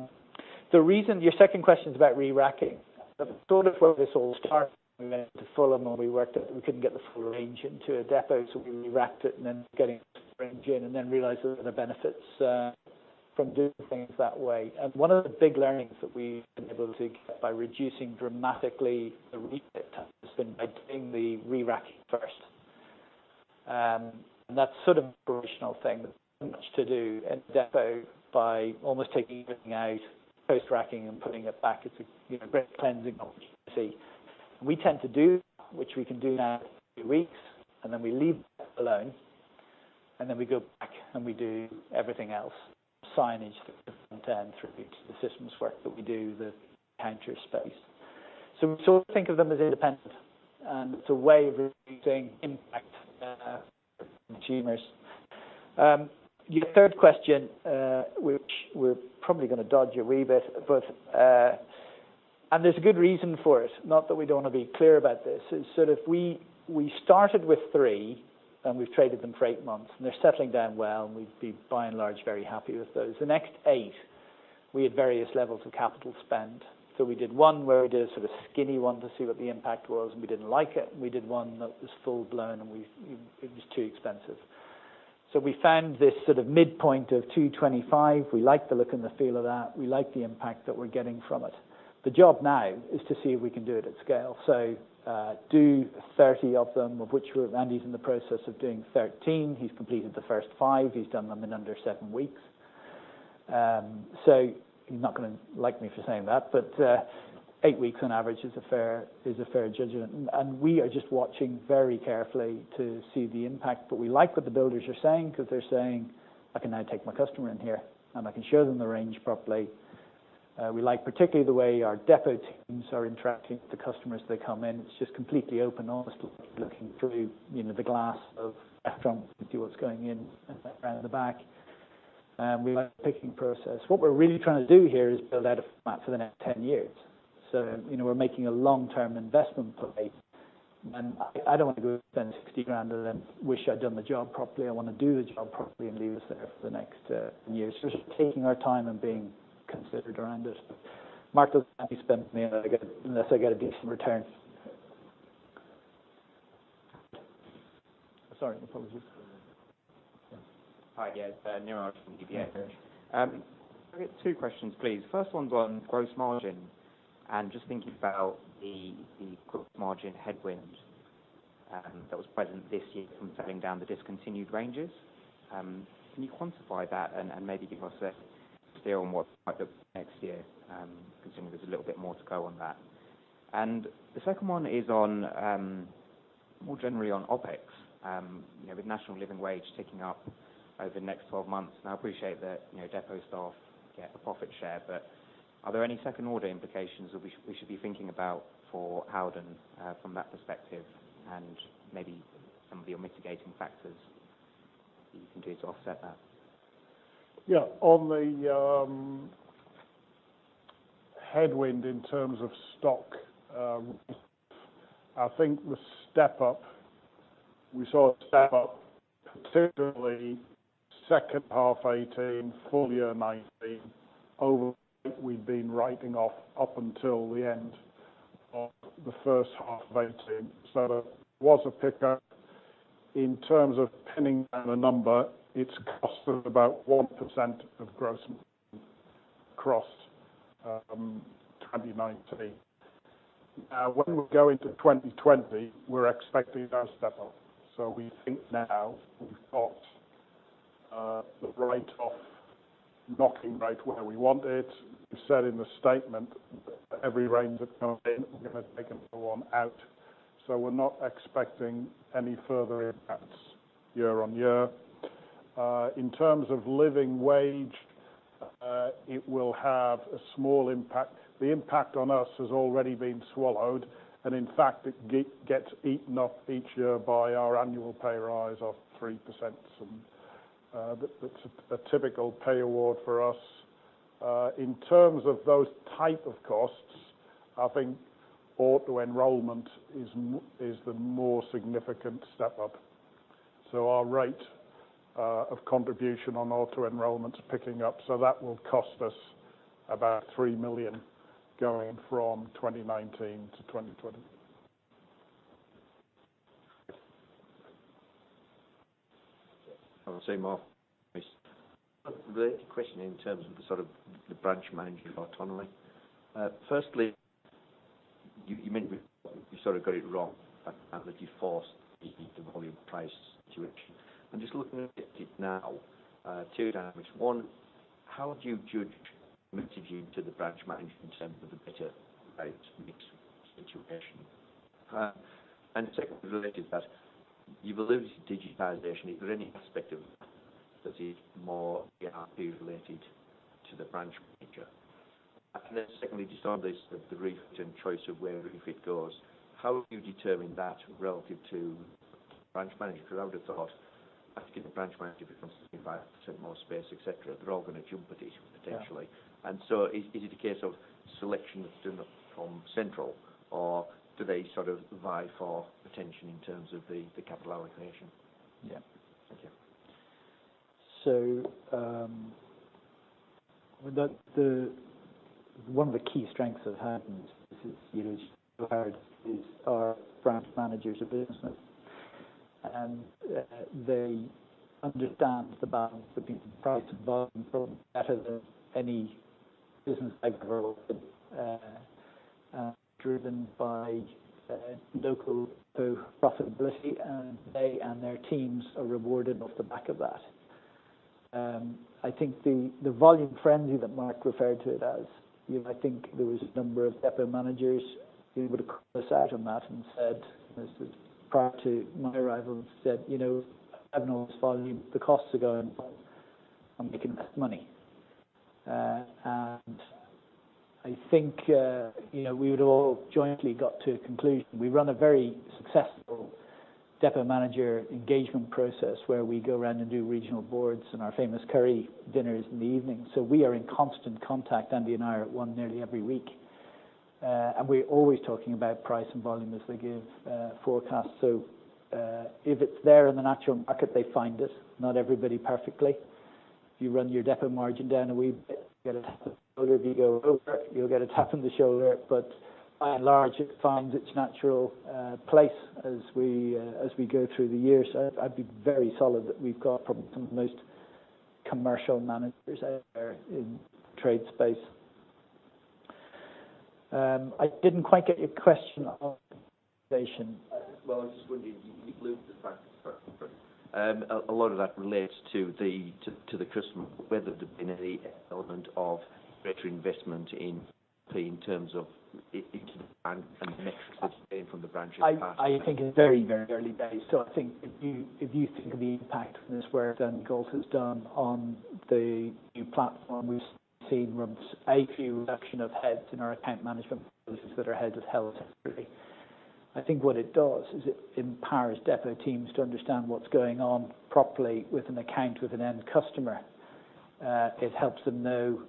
Your second question is about re-racking. That's sort of where this all started when we went into Fulham, we worked out that we couldn't get the full range into a depot, so we re-racked it and then getting the range in and then realized the benefits from doing things that way. One of the big learnings that we've been able to get by reducing dramatically the refit time has been by doing the re-racking first. That's sort of an operational thing that's not much to do at the depot by almost taking everything out, post racking, and putting it back. It's a great cleansing opportunity. We tend to do that, which we can do now in a few weeks, and then we leave that alone, and then we go back, and we do everything else, the signage, the front end through to the systems work that we do, the counter space. We sort of think of them as independent, and it's a way of reducing impact on consumers. Your third question, which we're probably going to dodge a wee bit, and there's a good reason for it, not that we don't want to be clear about this, is sort of we started with three, and we've traded them for eight months, and they're settling down well, and we've been by and large very happy with those. The next eight, we had various levels of capital spend. We did one where we did a sort of skinny one to see what the impact was, and we didn't like it, and we did one that was full-blown, and it was too expensive. We found this sort of midpoint of 225. We like the look and the feel of that. We like the impact that we're getting from it. The job now is to see if we can do it at scale. Do 30 of them, of which Andy's in the process of doing 13. He's completed the first five. He's done them in under seven weeks. He's not going to like me for saying that. Eight weeks on average is a fair judgment. We are just watching very carefully to see the impact. We like what the builders are saying because they're saying, "I can now take my customer in here, and I can show them the range properly." We like particularly the way our depot teams are interacting with the customers as they come in. It's just completely open, honest looking through the glass of the restaurant to see what's going in around the back. We like the picking process. What we're really trying to do here is build out a format for the next 10 years. We're making a long-term investment play. I don't want to go spend 60,000 and then wish I'd done the job properly. I want to do the job properly and leave us there for the next 10 years. Just taking our time and being considered around it. Mark doesn't let me spend money unless I get a decent return. Sorry, apologies. Hi, yeah. It's Niraj from UBS. Can I get two questions, please? First one's on gross margin and just thinking about the gross margin headwind that was present this year from selling down the discontinued ranges. Can you quantify that and maybe give us a feel on what it might look like next year, considering there's a little bit more to go on that? The second one is more generally on OpEx, with National Living Wage ticking up over the next 12 months. Now, I appreciate that depot staff get a profit share, but are there any second-order implications that we should be thinking about for Howdens from that perspective and maybe some of your mitigating factors that you can do to offset that? On the headwind in terms of stock, I think the step-up, we saw a step-up particularly second half 2018, full year 2019, over what we'd been writing off up until the end of the first half of 2018. There was a pickup. In terms of pinning down a number, it's cost us about 1% of gross margin across 2019. When we go into 2020, we're expecting that to step up. We think now we've got the write-off knocking right where we want it. We said in the statement that every range that comes in, we're going to take another one out. We're not expecting any further impacts year on year. In terms of National Living Wage, it will have a small impact. The impact on us has already been swallowed, and in fact, it gets eaten up each year by our annual pay rise of 3%, and that's a typical pay award for us. In terms of those type of costs, I think auto-enrolment is the more significant step-up. Our rate of contribution on auto-enrolment is picking up. That will cost us about 3 million going from 2019 to 2020. I want to say, Mark. A related question in terms of the sort of the branch manager autonomy. You meant you sort of got it wrong, and that you forced the volume price situation. I'm just looking at it now. Two dynamics. One, how do you judge the attitude to the branch management with a better mixed situation? Secondly, related to that, you believe digitization, is there any aspect of that is more ERP related to the branch manager? Then secondly, just on this, the refit and choice of where refit goes, how have you determined that relative to branch managers? I would have thought if the branch manager becomes 5% more space, et cetera, they're all going to jump at it potentially. Yeah. Is it a case of selection that's done from central or do they sort of vie for attention in terms of the capital allocation? Yeah. Thank you. One of the key strengths of Howdens is our branch managers are businessmen. They understand the balance between price and volume probably better than any business I've ever worked with, driven by local profitability, and they and their teams are rewarded off the back of that. I think the volume friendly that Mark referred to it as, I think there was a number of depot managers who would have called us out on that and said, this is prior to my arrival, and said, "I haven't always followed you. The costs are going up. I'm making less money." I think we would all jointly got to a conclusion. We run a very successful depot manager engagement process where we go around and do regional boards and our famous curry dinners in the evening. We are in constant contact. Andy and I are at one nearly every week. We're always talking about price and volume as they give forecasts. If it's there in the natural market, they find it, not everybody perfectly. If you run your depot margin down a wee bit, you'll get a tap on the shoulder. If you go over it, you'll get a tap on the shoulder. By and large, it finds its natural place as we go through the year. I'd be very solid that we've got probably some of the most commercial managers out there in trade space. I didn't quite get your question on digitization. Well, I was just wondering, you blew the fact apart. A lot of that relates to the customer, whether there's been any element of greater investment in terms of into the bank and the metrics that you're seeing from the branches passing. I think it's very early days. I think if you think of the impact this work that Andy Gold has done on the new platform, we've seen a reduction of heads in our account management processes that are heads of help, technically. I think what it does is it empowers depot teams to understand what's going on properly with an account with an end customer. It helps them know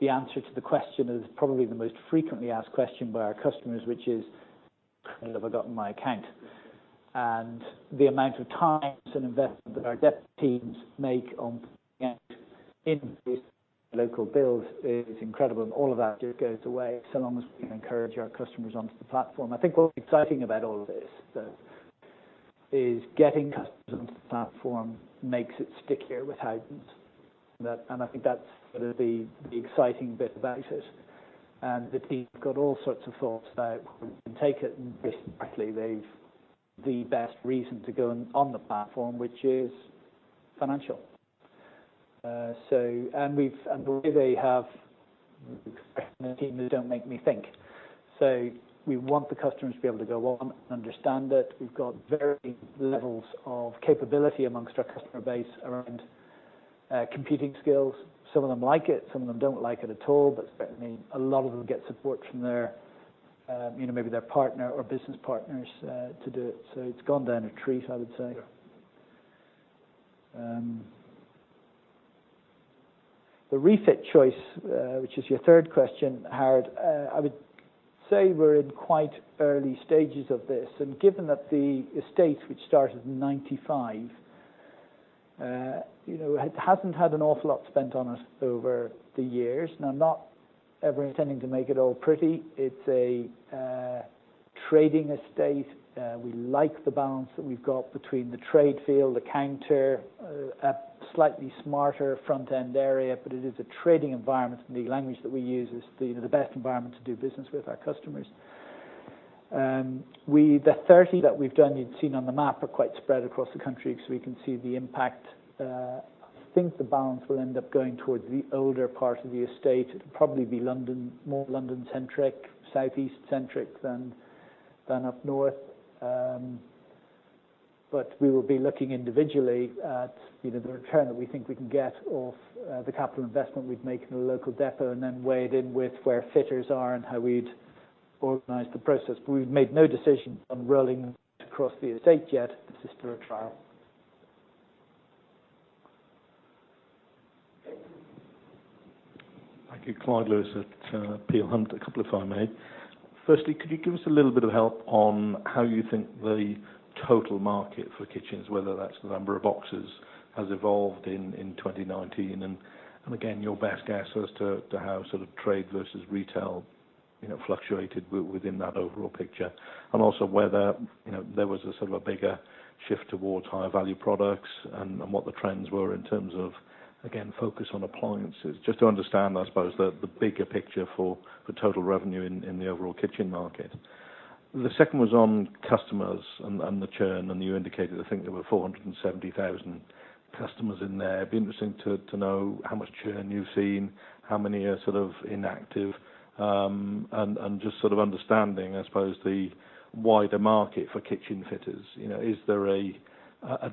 the answer to the question that is probably the most frequently asked question by our customers, which is, when have I gotten my account? The amount of time and investment that our depot teams make on getting in with local builders is incredible, and all of that just goes away so long as we encourage our customers onto the platform. I think what's exciting about all of this, though, is getting customers onto the platform makes it stickier with Howdens'. I think that's the exciting bit about it. The team have got all sorts of thoughts about where we can take it next. Actually, they've the best reason to go on the platform, which is financial. The way they have expressed it to the team is don't make me think. We want the customers to be able to go on and understand it. We've got varying levels of capability amongst our customer base around computing skills. Some of them like it, some of them don't like it at all, but a lot of them get support from maybe their partner or business partners to do it. It's gone down a treat, I would say. Yeah. The refit choice, which is your third question, Howard, I would say we're in quite early stages of this. Given that the estate, which started in 1995, hasn't had an awful lot spent on it over the years. Not ever intending to make it all pretty. It's a trading estate. We like the balance that we've got between the trade field, the counter, a slightly smarter front-end area. It is a trading environment, the language that we use is the best environment to do business with our customers. The 30 that we've done you've seen on the map are quite spread across the country. We can see the impact. I think the balance will end up going towards the older part of the estate. It'll probably be more London centric, Southeast centric than up north. We will be looking individually at the return that we think we can get off the capital investment we'd make in a local depot and then weigh it in with where fitters are and how we'd organize the process. We've made no decision on rolling across the estate yet. This is for a trial. Thank you. Clyde Lewis at Peel Hunt. A couple if I may. Firstly, could you give us a little bit of help on how you think the total market for kitchens, whether that's the number of boxes, has evolved in 2019? Again, your best guess as to how trade versus retail fluctuated within that overall picture. Also whether there was a sort of a bigger shift towards higher value products and what the trends were in terms of, again, focus on appliances. Just to understand, I suppose, the bigger picture for the total revenue in the overall kitchen market. The second was on customers and the churn, and you indicated, I think there were 470,000 customers in there. It would be interesting to know how much churn you've seen, how many are sort of inactive, and just sort of understanding, I suppose, the wider market for kitchen fitters. Is there a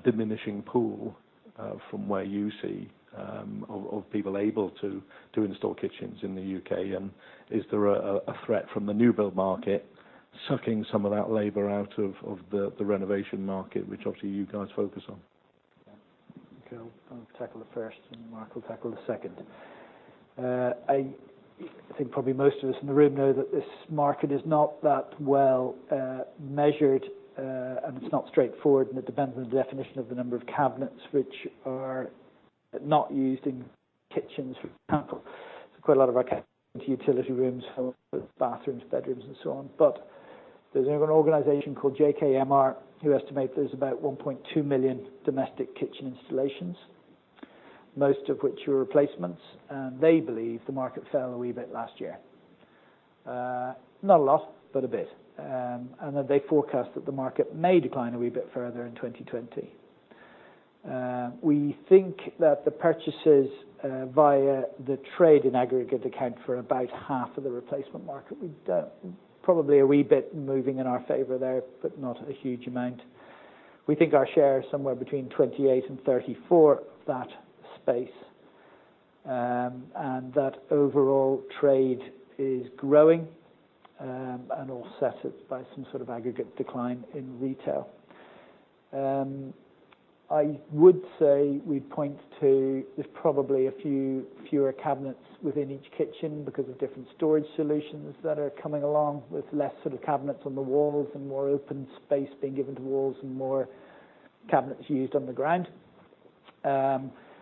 diminishing pool from where you see of people able to install kitchens in the U.K., and is there a threat from the new build market sucking some of that labor out of the renovation market, which obviously you guys focus on? Okay. I'll tackle the first. Mark will tackle the second. I think probably most of us in the room know that this market is not that well measured. It's not straightforward. It depends on the definition of the number of cabinets, which are not used in kitchens, for example. Quite a lot of our utility rooms, bathrooms, bedrooms, and so on. There's an organization called JKMR who estimate there's about 1.2 million domestic kitchen installations, most of which are replacements. They believe the market fell a wee bit last year. Not a lot, but a bit. They forecast that the market may decline a wee bit further in 2020. We think that the purchases via the trade in aggregate account for about half of the replacement market. We've done probably a wee bit moving in our favor there. Not a huge amount. We think our share is somewhere between 28 and 34 of that space. That overall trade is growing, offset by some sort of aggregate decline in retail. I would say we'd point to there's probably a few fewer cabinets within each kitchen because of different storage solutions that are coming along with less sort of cabinets on the walls and more open space being given to walls and more cabinets used on the ground.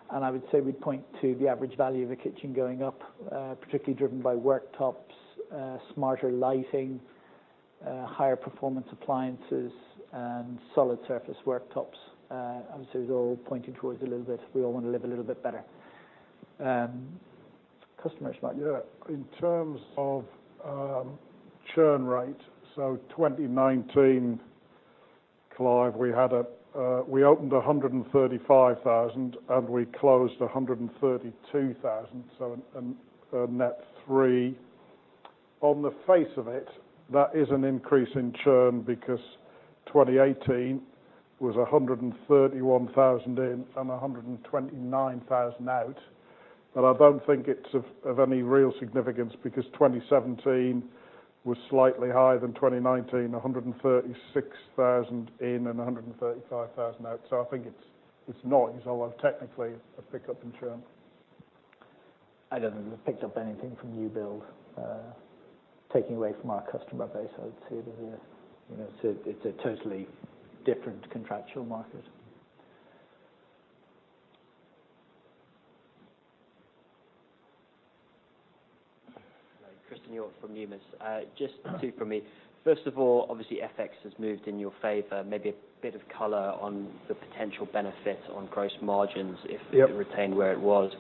I would say we'd point to the average value of a kitchen going up, particularly driven by worktops, smarter lighting, higher performance appliances, and solid surface worktops. Obviously, they're all pointing towards a little bit we all want to live a little bit better. Customers might. In terms of churn rate, 2019, Clyde, we opened 135,000, and we closed 132,000, a net three. On the face of it, that is an increase in churn because 2018 was 131,000 in and 129,000 out. I don't think it's of any real significance because 2017 was slightly higher than 2019, 136,000 in and 135,000 out. I think it's noise, although technically it's a pickup in churn. I don't think we've picked up anything from new build, taking away from our customer base. I would say that it's a totally different contractual market. Christen Hjorth from Numis. Just two from me. First of all, obviously, FX has moved in your favor, maybe a bit of color on the potential benefit on gross margins. Yep it retained where it was.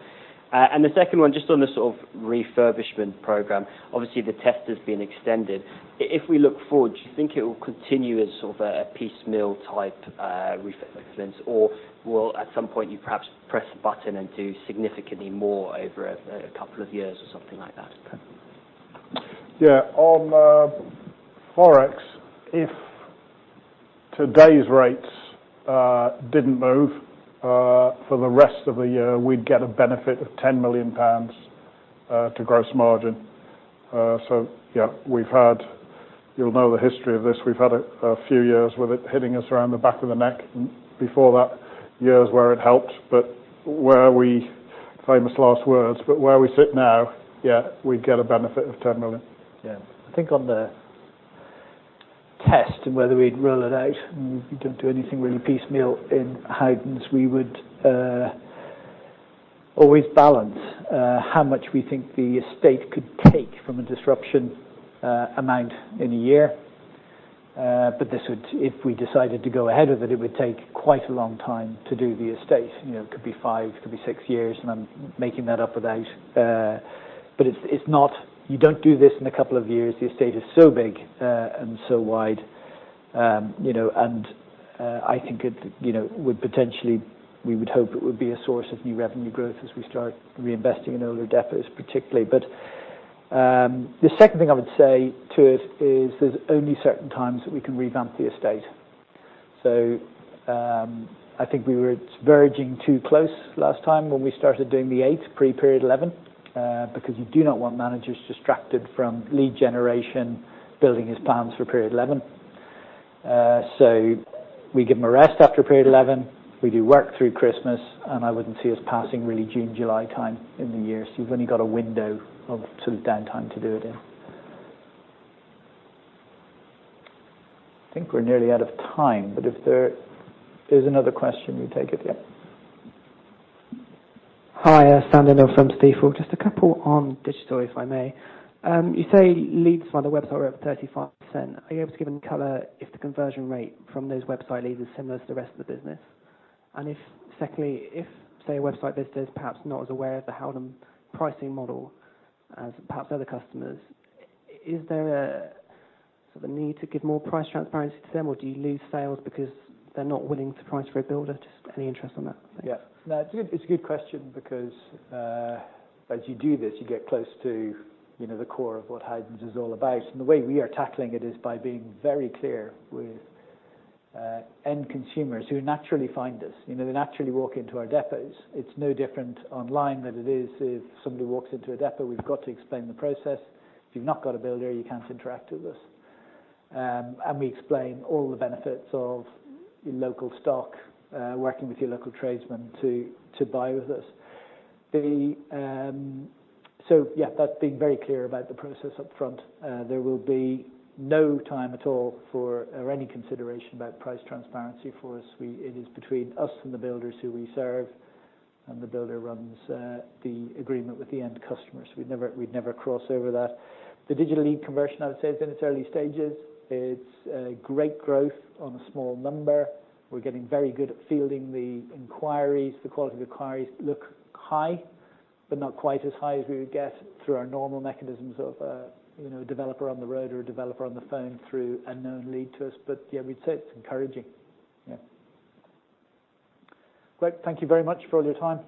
The second one, just on the sort of refurbishment program. Obviously, the test has been extended. If we look forward, do you think it will continue as sort of a piecemeal type refit for instance, or will at some point you perhaps press a button and do significantly more over a couple of years or something like that? Yeah. On Forex, if today's rates didn't move for the rest of the year, we'd get a benefit of 10 million pounds to gross margin. You'll know the history of this. We've had a few years with it hitting us around the back of the neck. Before that, years where it helped, famous last words, but where we sit now, we'd get a benefit of 10 million. Yeah. I think on the test and whether we'd roll it out, we don't do anything really piecemeal in Howdens, we would always balance how much we think the estate could take from a disruption amount in a year. If we decided to go ahead with it would take quite a long time to do the estate. It could be five, it could be six years, I'm making that up. You don't do this in a couple of years. The estate is so big and so wide. I think it would potentially, we would hope it would be a source of new revenue growth as we start reinvesting in older depots particularly. The second thing I would say to it is there's only certain times that we can revamp the estate. I think we were verging too close last time when we started doing the eighth pre-Period 11, because you do not want managers distracted from lead generation building his plans for Period 11. We give him a rest after Period 11. We do work through Christmas, and I wouldn't see us passing really June, July time in the year. You've only got a window of sort of downtime to do it in. I think we're nearly out of time, but if there is another question, we take it, yeah. Hi, Saim D. Miller from Stifel. A couple on digital, if I may. You say leads via the website were up 35%. Are you able to give any color if the conversion rate from those website leads is similar to the rest of the business? If, secondly, if, say, a website visitor is perhaps not as aware of the Howdens pricing model as perhaps other customers, is there a sort of need to give more price transparency to them, or do you lose sales because they're not willing to price for a builder? Any interest on that, thanks. Yeah. No, it's a good question because as you do this, you get close to the core of what Howdens' is all about. The way we are tackling it is by being very clear with end consumers who naturally find us. They naturally walk into our depots. It's no different online than it is if somebody walks into a depot. We've got to explain the process. If you've not got a builder, you can't interact with us. We explain all the benefits of your local stock, working with your local tradesman to buy with us. That being very clear about the process up front. There will be no time at all or any consideration about price transparency for us. It is between us and the builders who we serve, and the builder runs the agreement with the end customer. We'd never cross over that. The digital lead conversion, I would say, is in its early stages. It's great growth on a small number. We're getting very good at fielding the inquiries. The quality of inquiries look high, not quite as high as we would get through our normal mechanisms of a developer on the road or a developer on the phone through a known lead to us. Yeah, we'd say it's encouraging. Yeah. Great. Thank you very much for all your time.